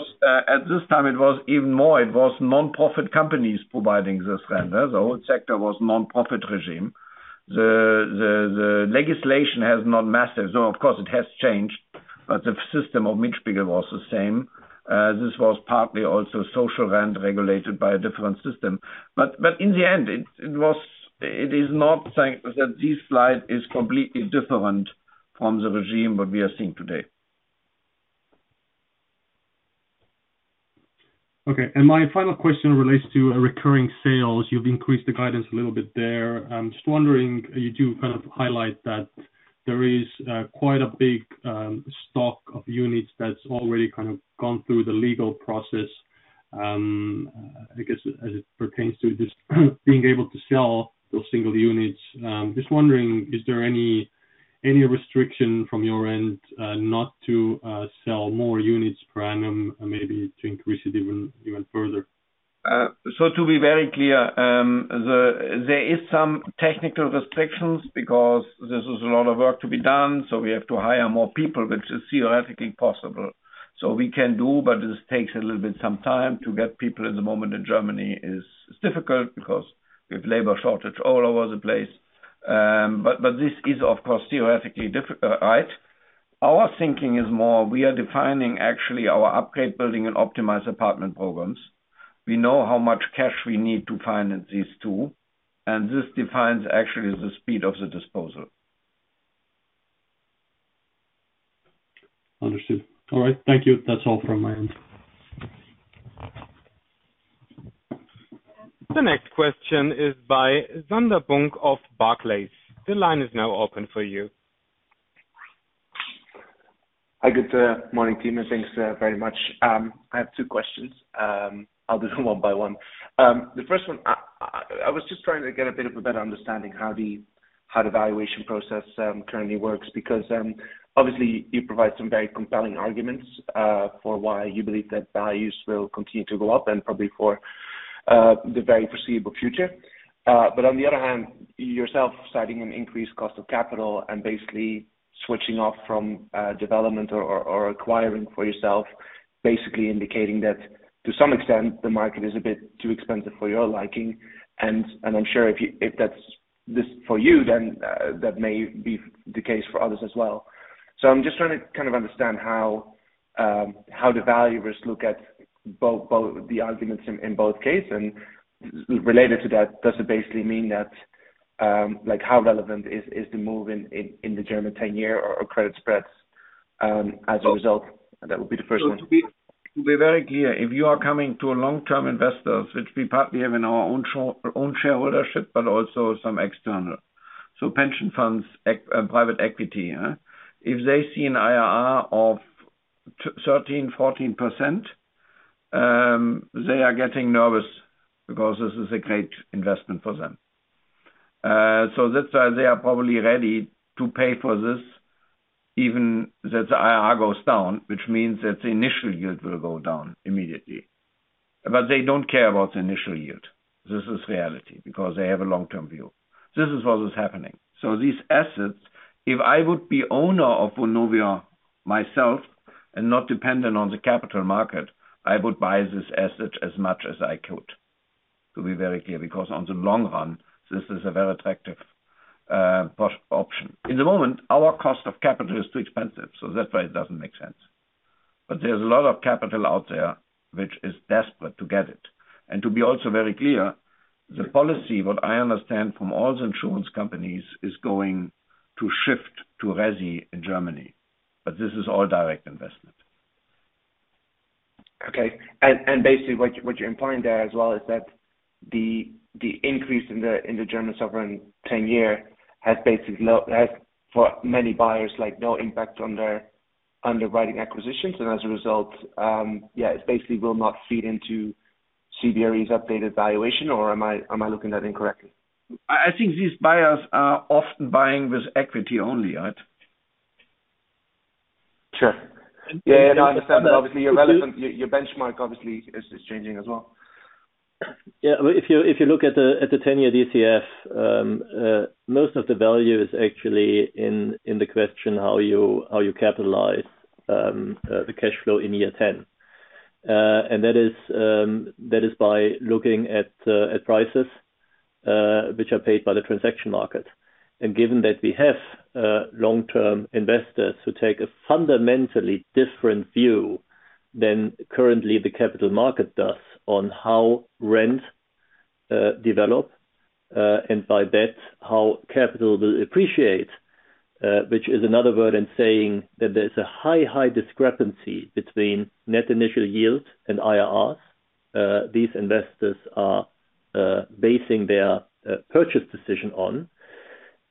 at this time, it was even more nonprofit companies providing this rent. The whole sector was nonprofit regime. The legislation has not mattered. Of course, it has changed, but the system of Mietspiegel was the same. This was partly also social rent regulated by a different system. In the end, it was. It is not saying that this slide is completely different from the regime what we are seeing today. Okay. My final question relates to Recurring Sales. You've increased the guidance a little bit there. I'm just wondering, you do kind of highlight that there is quite a big stock of units that's already kind of gone through the legal process. I guess as it pertains to just being able to sell those single units, just wondering, is there any restriction from your end not to sell more units per annum, maybe to increase it even further? To be very clear, there is some technical restrictions because this is a lot of work to be done, so we have to hire more people, which is theoretically possible. We can do, but this takes a little bit some time to get people at the moment in Germany is difficult because we have labor shortage all over the place. This is, of course, theoretically difficult, right. Our thinking is more we are defining actually our Upgrade Building and Optimize Apartment programs. We know how much cash we need to finance these two, and this defines actually the speed of the disposal. Understood. All right. Thank you. That's all from my end. The next question is by Sander Bunck of Barclays. The line is now open for you. Hi. Good morning, team, and thanks very much. I have two questions. I'll do them one by one. The first one, I was just trying to get a bit of a better understanding how the valuation process currently works, because obviously you provide some very compelling arguments for why you believe that values will continue to go up and probably for the very foreseeable future. But on the other hand, yourself citing an increased cost of capital and basically switching off from development or acquiring for yourself, basically indicating that to some extent, the market is a bit too expensive for your liking. I'm sure if that's the case for you, then that may be the case for others as well. I'm just trying to kind of understand how the valuers look at both the arguments in both case. Related to that, does it basically mean that, like how relevant is the move in the German ten-year or credit spreads, as a result? That would be the first one. To be very clear, if you are talking to long-term investors, which we partly have in our own share ownership, but also some external, so pension funds, private equity. If they see an IRR of 13%-14%, they are getting nervous because this is a great investment for them. That's why they are probably ready to pay for this even if that IRR goes down, which means that the initial yield will go down immediately. They don't care about the initial yield. This is reality because they have a long-term view. This is what is happening. These assets, if I would be owner of Vonovia myself and not dependent on the capital market, I would buy this asset as much as I could, to be very clear, because in the long run, this is a very attractive proposition. In the moment, our cost of capital is too expensive, so that's why it doesn't make sense. There's a lot of capital out there which is desperate to get it. To be also very clear, the policy, what I understand from all the insurance companies, is going to shift to resi in Germany, but this is all direct investment. Okay. Basically what you're implying there as well is that the increase in the German sovereign ten-year has for many buyers like no impact on their underwriting acquisitions and as a result, it basically will not feed into CBRE's updated valuation, or am I looking at incorrectly? I think these buyers are often buying with equity only, right? Sure. Yeah, yeah. No, I understand. Obviously, your relevant, your benchmark obviously is changing as well. Yeah. If you look at the 10-year DCF, most of the value is actually in the question how you capitalize the cash flow in year 10. That is by looking at prices which are paid by the transaction market. Given that we have long-term investors who take a fundamentally different view than currently the capital market does on how rent develop and by that how capital will appreciate, which is another word in saying that there's a high discrepancy between net initial yield and IRRs. These investors are basing their purchase decision on.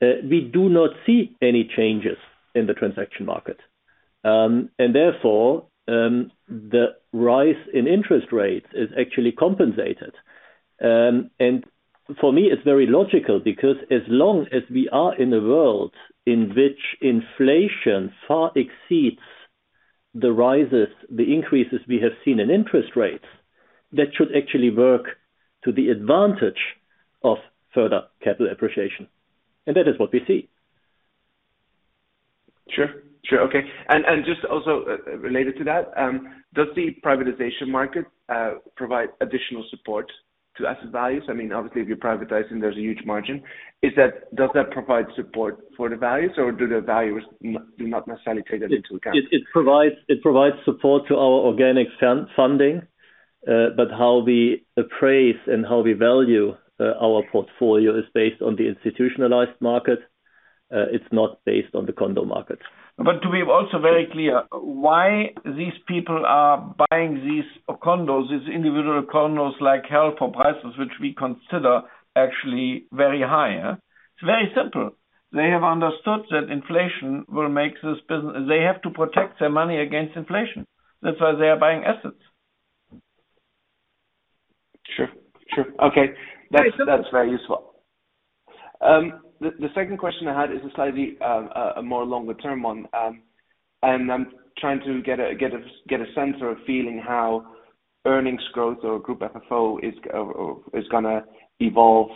We do not see any changes in the transaction market. Therefore, the rise in interest rates is actually compensated. For me, it's very logical because as long as we are in a world in which inflation far exceeds the rises, the increases we have seen in interest rates, that should actually work to the advantage of further capital appreciation. That is what we see. Sure. Okay. Just also related to that, does the privatization market provide additional support to asset values? I mean, obviously, if you're privatizing, there's a huge margin. Does that provide support for the values or do the values not necessarily take that into account? It provides support to our organic funding, but how we appraise and how we value our portfolio is based on the institutional market. It's not based on the condo market. To be also very clear, why these people are buying these condos, these individual condos like hell for prices which we consider actually very high. It's very simple. They have to protect their money against inflation. That's why they are buying assets. Sure. Okay. Very simple. That's very useful. The second question I had is a slightly a more longer term one. I'm trying to get a sense or a feeling how earnings growth or group FFO is gonna evolve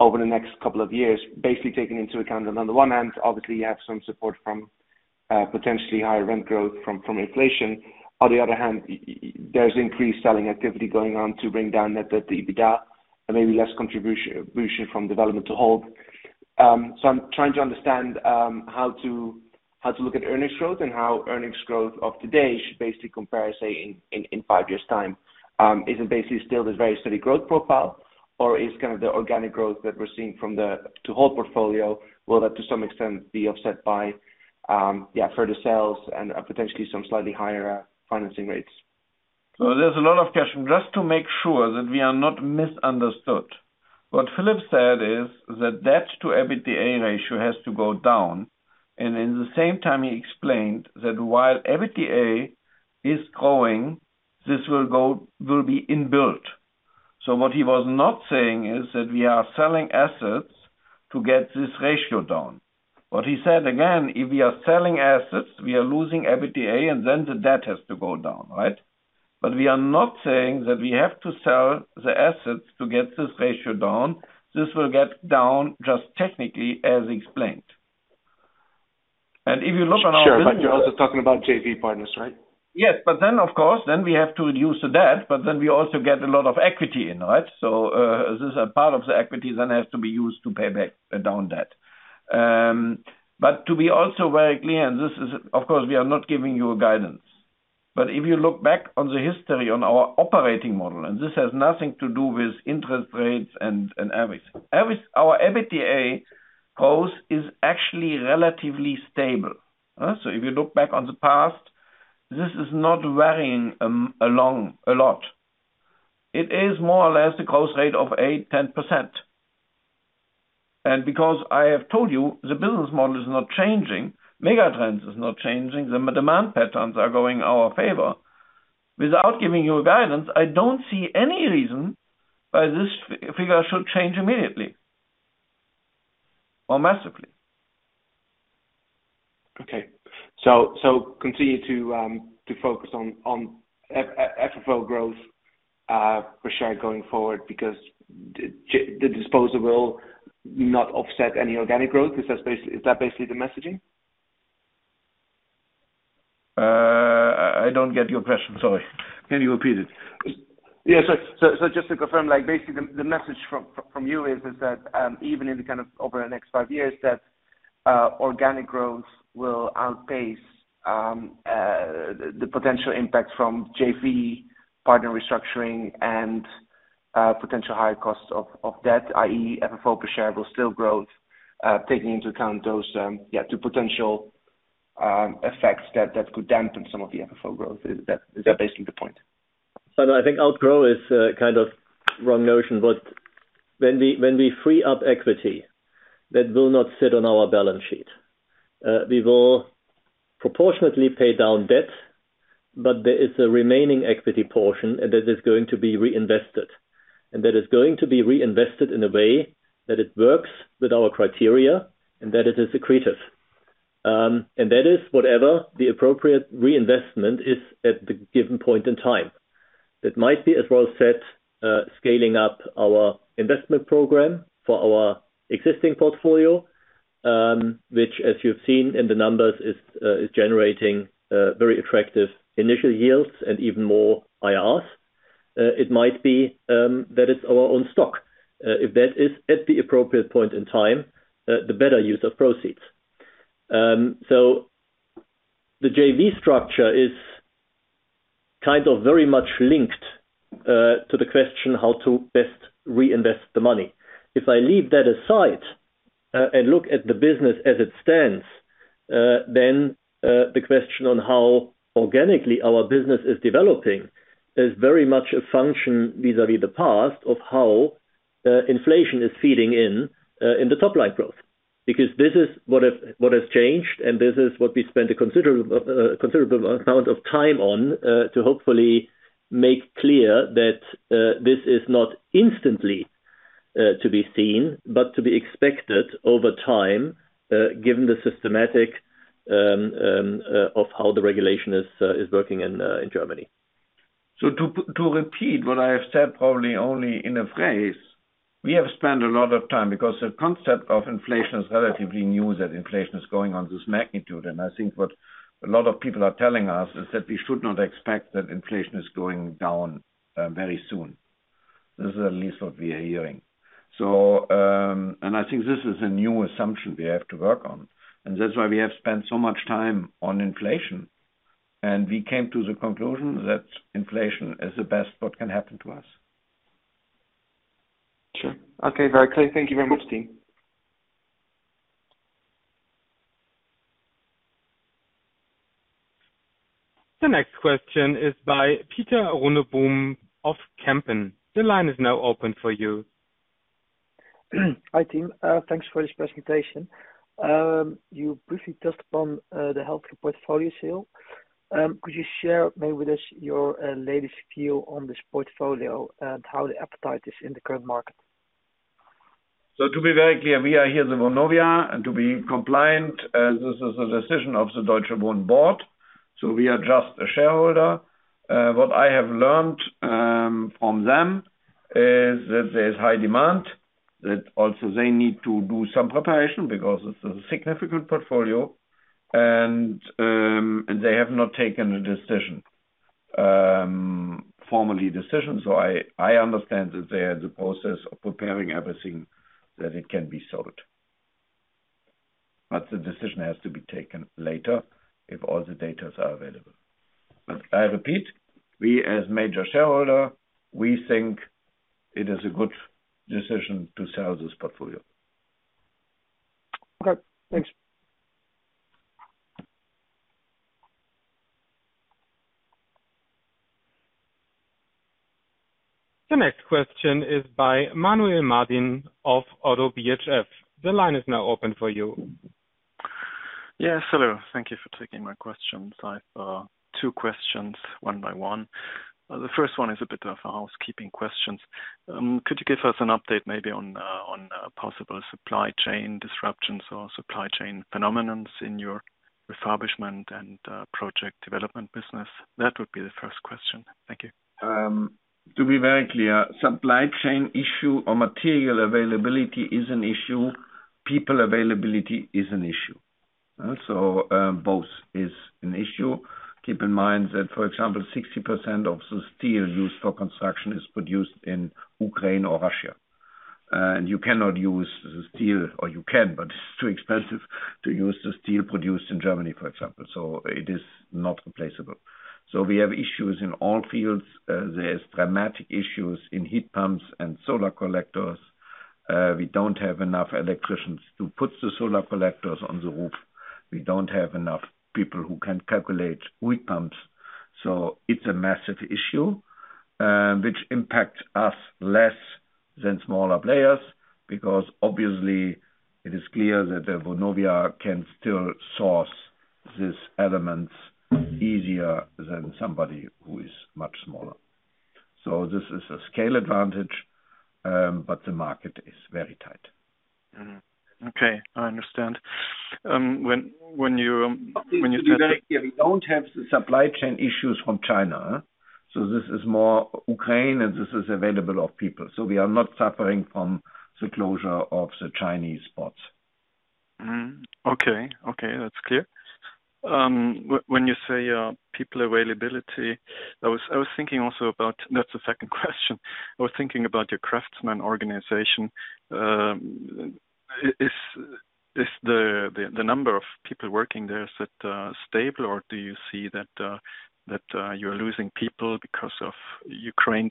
over the next couple of years, basically taking into account that on the one hand, obviously you have some support from potentially higher rent growth from inflation. On the other hand, there's increased selling activity going on to bring down net debt to EBITDA or maybe less contribution from development to hold. I'm trying to understand how to look at earnings growth and how earnings growth of today should basically compare, say, in five years time. Is it basically still this very steady growth profile? Is kind of the organic growth that we're seeing from the to hold portfolio, will that to some extent be offset by further sales and potentially some slightly higher financing rates? There's a lot of questions. Just to make sure that we are not misunderstood. What Philip said is that debt to EBITDA ratio has to go down, and in the same time he explained that while EBITDA is growing, this will be inbuilt. What he was not saying is that we are selling assets to get this ratio down. What he said again, if we are selling assets, we are losing EBITDA, and then the debt has to go down, right? We are not saying that we have to sell the assets to get this ratio down. This will get down just technically as explained. If you look at our Sure. You're also talking about JV partners, right? Yes. Of course, then we have to reduce the debt, but then we also get a lot of equity in, right? This is a part of the equity then has to be used to pay down debt. To be also very clear, of course, we are not giving you guidance. If you look back on the history on our operating model, and this has nothing to do with interest rates and everything. Our EBITDA growth is actually relatively stable. If you look back on the past, this is not varying a lot. It is more or less the growth rate of 8%-10%. Because I have told you the business model is not changing, megatrends is not changing, the demand patterns are going in our favor. Without giving you a guidance, I don't see any reason why this figure should change immediately or massively. Okay. Continue to focus on FFO growth for sure going forward because the disposal will not offset any organic growth. Is that basically the messaging? I don't get your question. Sorry. Can you repeat it? Yeah. Just to confirm, like, basically the message from you is that even in the kind of over the next five years, that organic growth will outpace the potential impact from JV partner restructuring and potential higher costs of debt, i.e. FFO per share will still growth taking into account those yeah two potential effects that could dampen some of the FFO growth. Is that basically the point? I think outgrow is a kind of wrong notion, but when we free up equity, that will not sit on our balance sheet. We will proportionately pay down debt, but there is a remaining equity portion, and that is going to be reinvested. That is going to be reinvested in a way that it works with our criteria and that it is accretive. That is whatever the appropriate reinvestment is at the given point in time. That might be, as well said, scaling up our investment program for our existing portfolio, which, as you've seen in the numbers, is generating very attractive initial yields and even more IRRs. It might be that it's our own stock, if that is at the appropriate point in time, the better use of proceeds. The JV structure is kind of very much linked to the question how to best reinvest the money. If I leave that aside and look at the business as it stands, then the question on how organically our business is developing is very much a function vis-à-vis the past of how inflation is feeding in the top line growth. Because this is what has changed, and this is what we spend a considerable amount of time on to hopefully make clear that this is not instantly to be seen, but to be expected over time given the systematic of how the regulation is working in Germany. To repeat what I have said, probably only in a phrase, we have spent a lot of time because the concept of inflation is relatively new, that inflation is going on this magnitude. I think what a lot of people are telling us is that we should not expect that inflation is going down very soon. This is at least what we are hearing. I think this is a new assumption we have to work on, and that's why we have spent so much time on inflation. We came to the conclusion that inflation is the best what can happen to us. Sure. Okay. Very clear. Thank you very much, team. The next question is by Pieter Runneboom of Kempen. The line is now open for you. Hi, team. Thanks for this presentation. You briefly touched upon the healthcare portfolio sale. Could you share maybe with us your latest view on this portfolio and how the appetite is in the current market? To be very clear, we are at Vonovia, and to be compliant, this is a decision of the Deutsche Wohnen board. We are just a shareholder. What I have learned from them is that there's high demand, that also they need to do some preparation because it's a significant portfolio and they have not taken a formal decision. I understand that they are in the process of preparing everything that it can be sold. The decision has to be taken later if all the data are available. I repeat, we as major shareholder, we think it is a good decision to sell this portfolio. Okay, thanks. The next question is by Manuel Martin of ODDO BHF. The line is now open for you. Yes, hello. Thank you for taking my questions. I've two questions, one by one. The first one is a bit of a housekeeping questions. Could you give us an update maybe on possible supply chain disruptions or supply chain phenomena in your refurbishment and project development business? That would be the first question. Thank you. To be very clear, supply chain issue or material availability is an issue. People availability is an issue. Both is an issue. Keep in mind that, for example, 60% of the steel used for construction is produced in Ukraine or Russia. You cannot use the steel, or you can, but it's too expensive to use the steel produced in Germany, for example. It is not replaceable. We have issues in all fields. There's dramatic issues in heat pumps and solar collectors. We don't have enough electricians to put the solar collectors on the roof. We don't have enough people who can calculate heat pumps. It's a massive issue, which impacts us less than smaller players, because obviously it is clear that Vonovia can still source these elements easier than somebody who is much smaller. This is a scale advantage, but the market is very tight. Okay, I understand. When you said- To be very clear, we don't have the supply chain issues from China. This is more Ukraine, and this is availability of people. We are not suffering from the closure of the Chinese ports. Okay, that's clear. When you say people availability, that's the second question. I was thinking about your craftsmen organization. Is the number of people working there stable or do you see that you're losing people because of Ukraine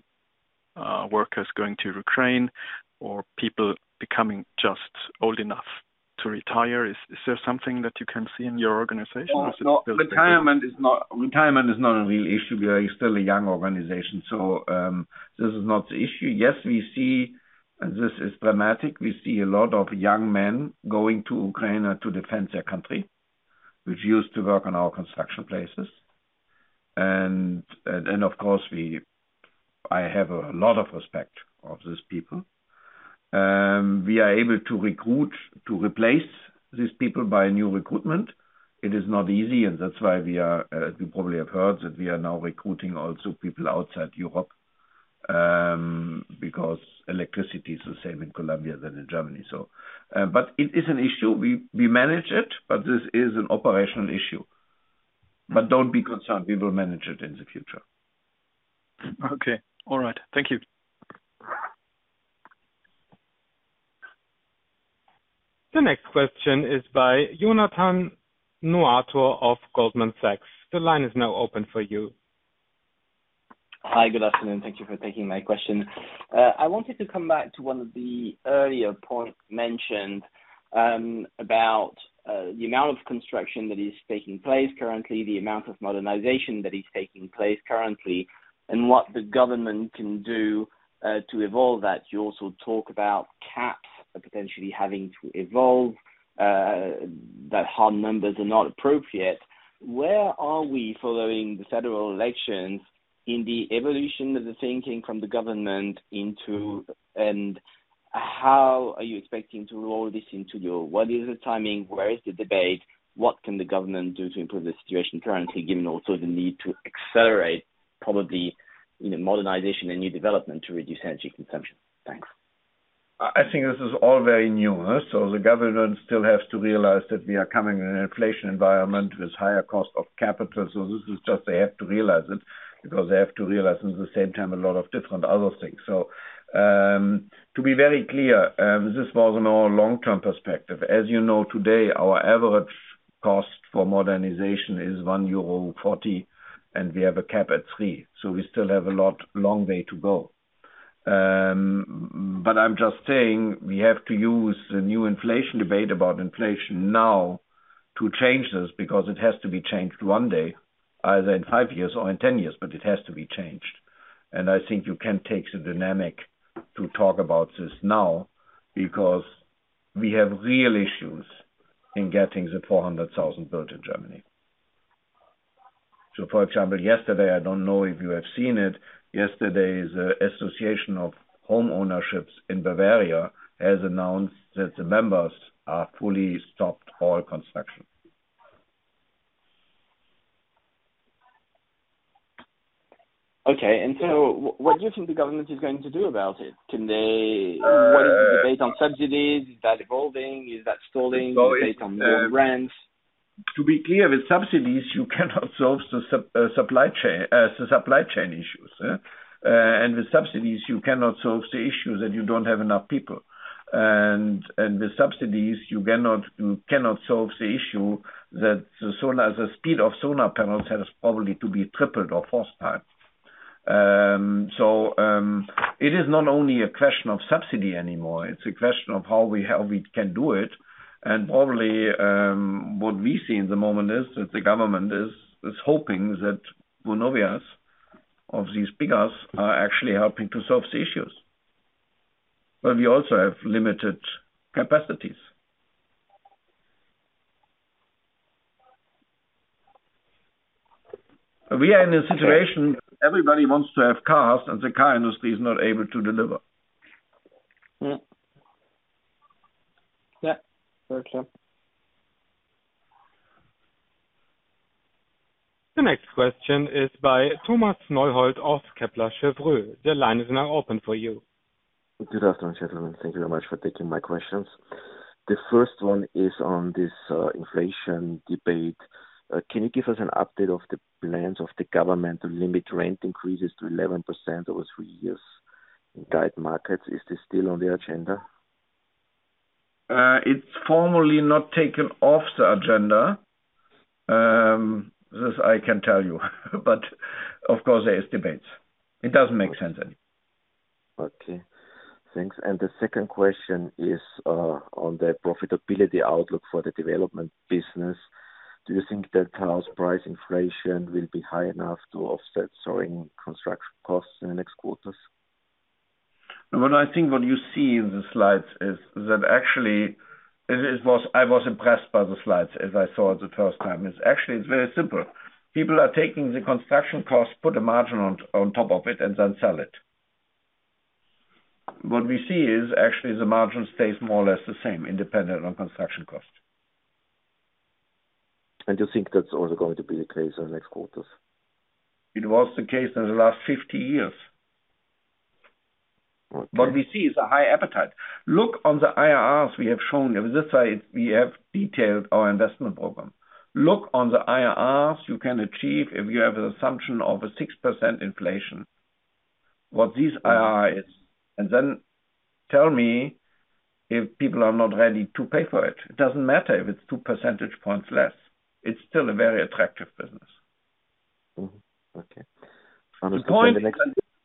workers going to Ukraine or people becoming just old enough to retire? Is there something that you can see in your organization? No, retirement is not a real issue. We are still a young organization, this is not the issue. Yes, we see, and this is dramatic, we see a lot of young men going to Ukraine to defend their country, which used to work on our construction places. Of course, I have a lot of respect of these people. We are able to recruit to replace these people by new recruitment. It is not easy, and that's why we are, you probably have heard that we are now recruiting also people outside Europe, because electricity is the same in Colombia than in Germany. It is an issue. We manage it, but this is an operational issue. Don't be concerned, we will manage it in the future. Okay. All right. Thank you. The next question is by Jonathan Kownator of Goldman Sachs. The line is now open for you. Hi. Good afternoon. Thank you for taking my question. I wanted to come back to one of the earlier points mentioned, about the amount of construction that is taking place currently, the amount of modernization that is taking place currently, and what the government can do to evolve that. You also talk about caps potentially having to evolve, that hard numbers are not appropriate. Where are we following the federal elections in the evolution of the thinking from the government, and how are you expecting to roll this into your what is the timing? Where is the debate? What can the government do to improve the situation currently, given also the need to accelerate probably modernization and new development to reduce energy consumption? Thanks. I think this is all very new. The government still has to realize that we are coming in an inflation environment with higher cost of capital. This is just they have to realize it because they have to realize at the same time a lot of different other things. To be very clear, this was on our long-term perspective. As you know, today, our average cost for modernization is 1.40 euro, and we have a cap at 3. We still have a lot, long way to go. I'm just saying we have to use the new inflation debate about inflation now to change this because it has to be changed one day, either in five years or in 10 years, but it has to be changed. I think you can take the dynamic to talk about this now because we have real issues in getting the 400,000 built in Germany. For example, yesterday, I don't know if you have seen it. Yesterday, the Verband Privater Bauherren in Bavaria has announced that the members are fully stopped all construction. Okay. What do you think the government is going to do about it? What is the debate on subsidies? Is that evolving? Is that stalling? Debate on new rents? To be clear, with subsidies you cannot solve the supply chain issues, yeah. With subsidies, you cannot solve the issue that you don't have enough people. With subsidies you cannot solve the issue that the speed of solar panels has probably to be tripled or four times. It is not only a question of subsidy anymore, it's a question of how we can do it. Probably, what we see in the moment is that the government is hoping that Vonovia's of these figures are actually helping to solve the issues. We also have limited capacities. We are in a situation, everybody wants to have cars, and the car industry is not able to deliver. Yeah. Yeah. Very clear. The next question is by Thomas Neuhold of Kepler Cheuvreux. Your line is now open for you. Good afternoon, gentlemen. Thank you very much for taking my questions. The first one is on this inflation debate. Can you give us an update of the plans of the government to limit rent increases to 11% over three years in tight markets? Is this still on the agenda? It's formally not taken off the agenda, this I can tell you. Of course there is debates. It doesn't make sense anymore. Okay, thanks. The second question is on the profitability outlook for the development business. Do you think that house price inflation will be high enough to offset soaring construction costs in the next quarters? When I think, what you see in the slides is that I was impressed by the slides as I saw the first time. It's actually, it's very simple. People are taking the construction cost, put a margin on top of it and then sell it. What we see is actually the margin stays more or less the same independent of construction cost. You think that's also going to be the case in the next quarters? It was the case in the last 50 years. Okay. What we see is a high appetite. Look on the IRRs we have shown you. This is why we have detailed our investment program. Look on the IRRs you can achieve if you have an assumption of a 6% inflation, what this IRR is, and then tell me if people are not ready to pay for it. It doesn't matter if it's two percentage points less. It's still a very attractive business. Mm-hmm. Okay.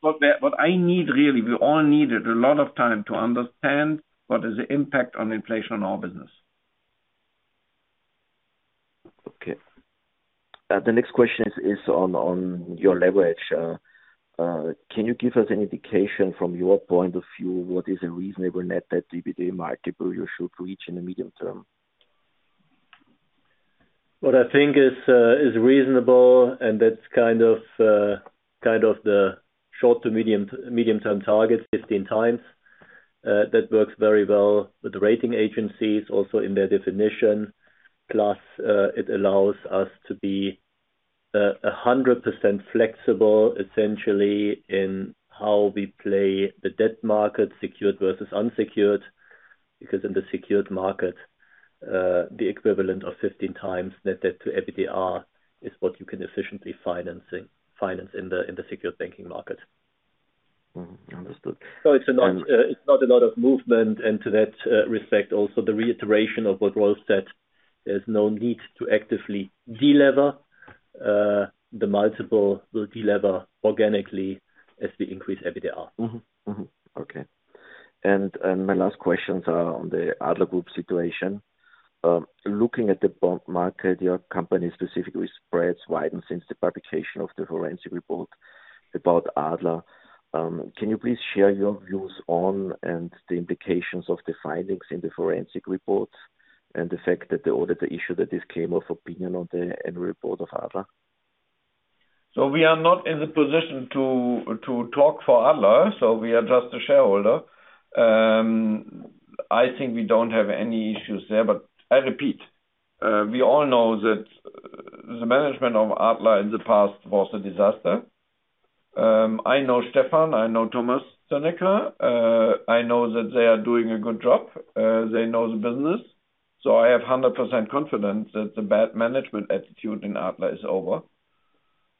What I need really, we all needed a lot of time to understand what is the impact of inflation on our business. Okay. The next question is on your leverage. Can you give us an indication from your point of view, what is a reasonable net debt EBITDA multiple you should reach in the medium term? What I think is reasonable, and that's kind of the short- to medium-term target 15x. That works very well with the rating agencies also in their definition. Plus, it allows us to be 100% flexible essentially in how we play the debt market secured versus unsecured. Because in the secured market, the equivalent of 15x net debt to EBITDA is what you can efficiently finance in the secured banking market. Mm-hmm. Understood. It's not a lot of movement into that respect. Also, the reiteration of what Rolf said, there's no need to actively de-lever, the multiple will de-lever organically as we increase EBITDA. My last questions are on the Adler Group situation. Looking at the bond market, your company's specific spreads widened since the publication of the forensic report about Adler. Can you please share your views on the indications of the findings in the forensic reports and the fact that the auditor issued a disclaimer of opinion on the annual report of Adler? We are not in the position to talk for Adler, so we are just a shareholder. I think we don't have any issues there. I repeat, we all know that the management of Adler in the past was a disaster. I know Stefan, I know Thomas Zinnöcker. I know that they are doing a good job. They know the business. I have 100% confidence that the bad management attitude in Adler is over.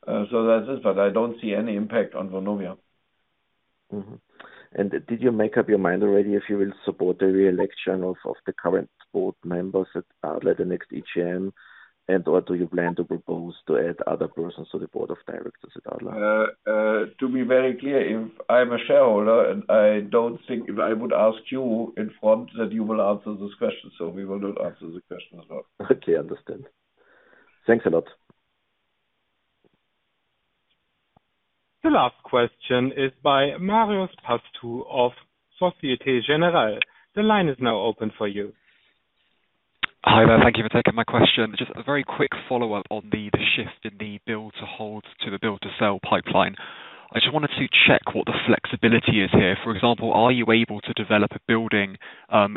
I don't see any impact on Vonovia. Did you make up your mind already if you will support the re-election of the current board members at Adler the next AGM? What do you plan to propose to add other persons to the board of directors at Adler? To be very clear, if I'm a shareholder and I don't think if I would ask you in front that you will answer this question, so we will not answer the question as well. Okay. Understand. Thanks a lot. The last question is by Marios Pastou of Société Générale. The line is now open for you. Hi there. Thank you for taking my question. Just a very quick follow-up on the shift in the build to hold to the build to sell pipeline. I just wanted to check what the flexibility is here. For example, are you able to develop a building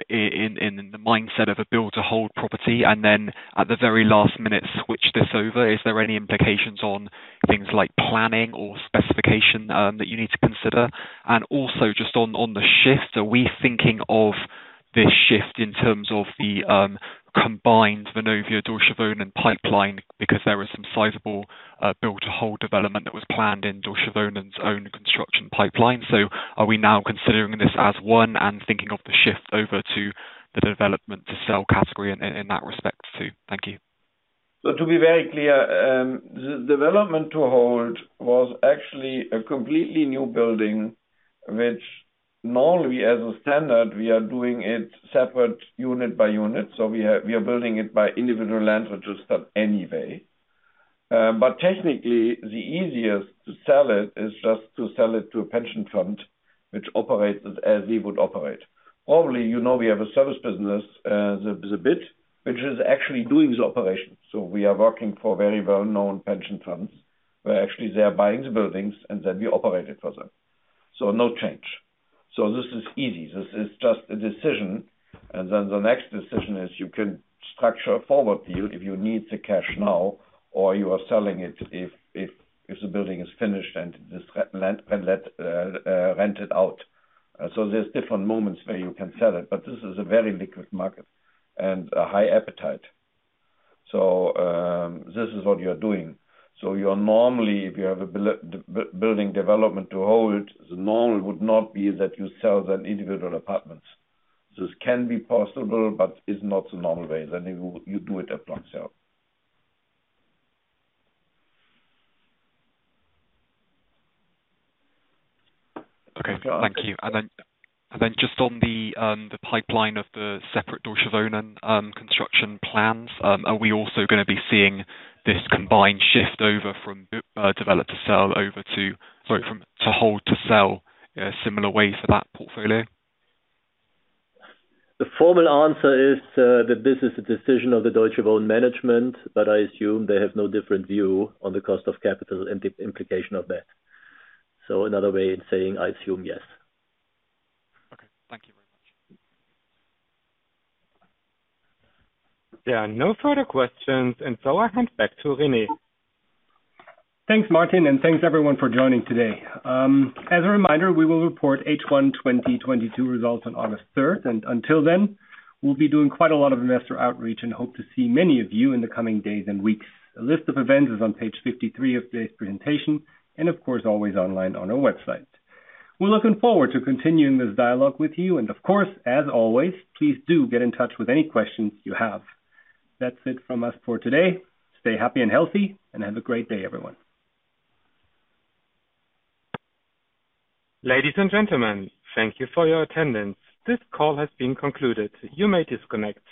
in the mindset of a build to hold property and then at the very last minute switch this over? Is there any implications on things like planning or specification that you need to consider. Also just on the shift, are we thinking of this shift in terms of the combined Vonovia, Deutsche Wohnen, and pipeline because there is some sizable build to hold development that was planned in Deutsche Wohnen's own construction pipeline. Are we now considering this as one and thinking of the shift over to the Development to Sell category in that respect too? Thank you. To be very clear, the Development to hold was actually a completely new building, which normally as a standard, we are doing it separate unit by unit. We are building it by individual land registers anyway. But technically the easiest to sell it is just to sell it to a pension fund which operates as we would operate. Normally, you know, we have a service business, the bid, which is actually doing the operations. We are working for very well-known pension funds, where actually they are buying the buildings and then we operate it for them. No change. This is easy. This is just a decision. The next decision is you can structure a forward deal if you need the cash now, or you are selling it if the building is finished and this land can let rented out. There's different moments where you can sell it, but this is a very liquid market and a high appetite. This is what you're doing. You are normally, if you have a building development to hold, the normal would not be that you sell that individual apartments. This can be possible, but it's not the normal way. You do it at block sale. Okay, thank you. Just on the pipeline of the separate Deutsche Wohnen construction plans, are we also gonna be seeing this combined shift over from Development to hold to sell similar ways to that portfolio? The formal answer is that this is a decision of the Deutsche Wohnen management, but I assume they have no different view on the cost of capital and the implication of that. Another way of saying I assume yes. Okay. Thank you very much. There are no further questions, and so I hand back to Rene. Thanks, Martin, and thanks everyone for joining today. As a reminder, we will report H1 2022 results on August third. Until then, we'll be doing quite a lot of investor outreach and hope to see many of you in the coming days and weeks. A list of events is on page 53 of today's presentation and of course always online on our website. We're looking forward to continuing this dialogue with you and of course, as always, please do get in touch with any questions you have. That's it from us for today. Stay happy and healthy, and have a great day everyone. Ladies and gentlemen, thank you for your attendance. This call has been concluded. You may disconnect.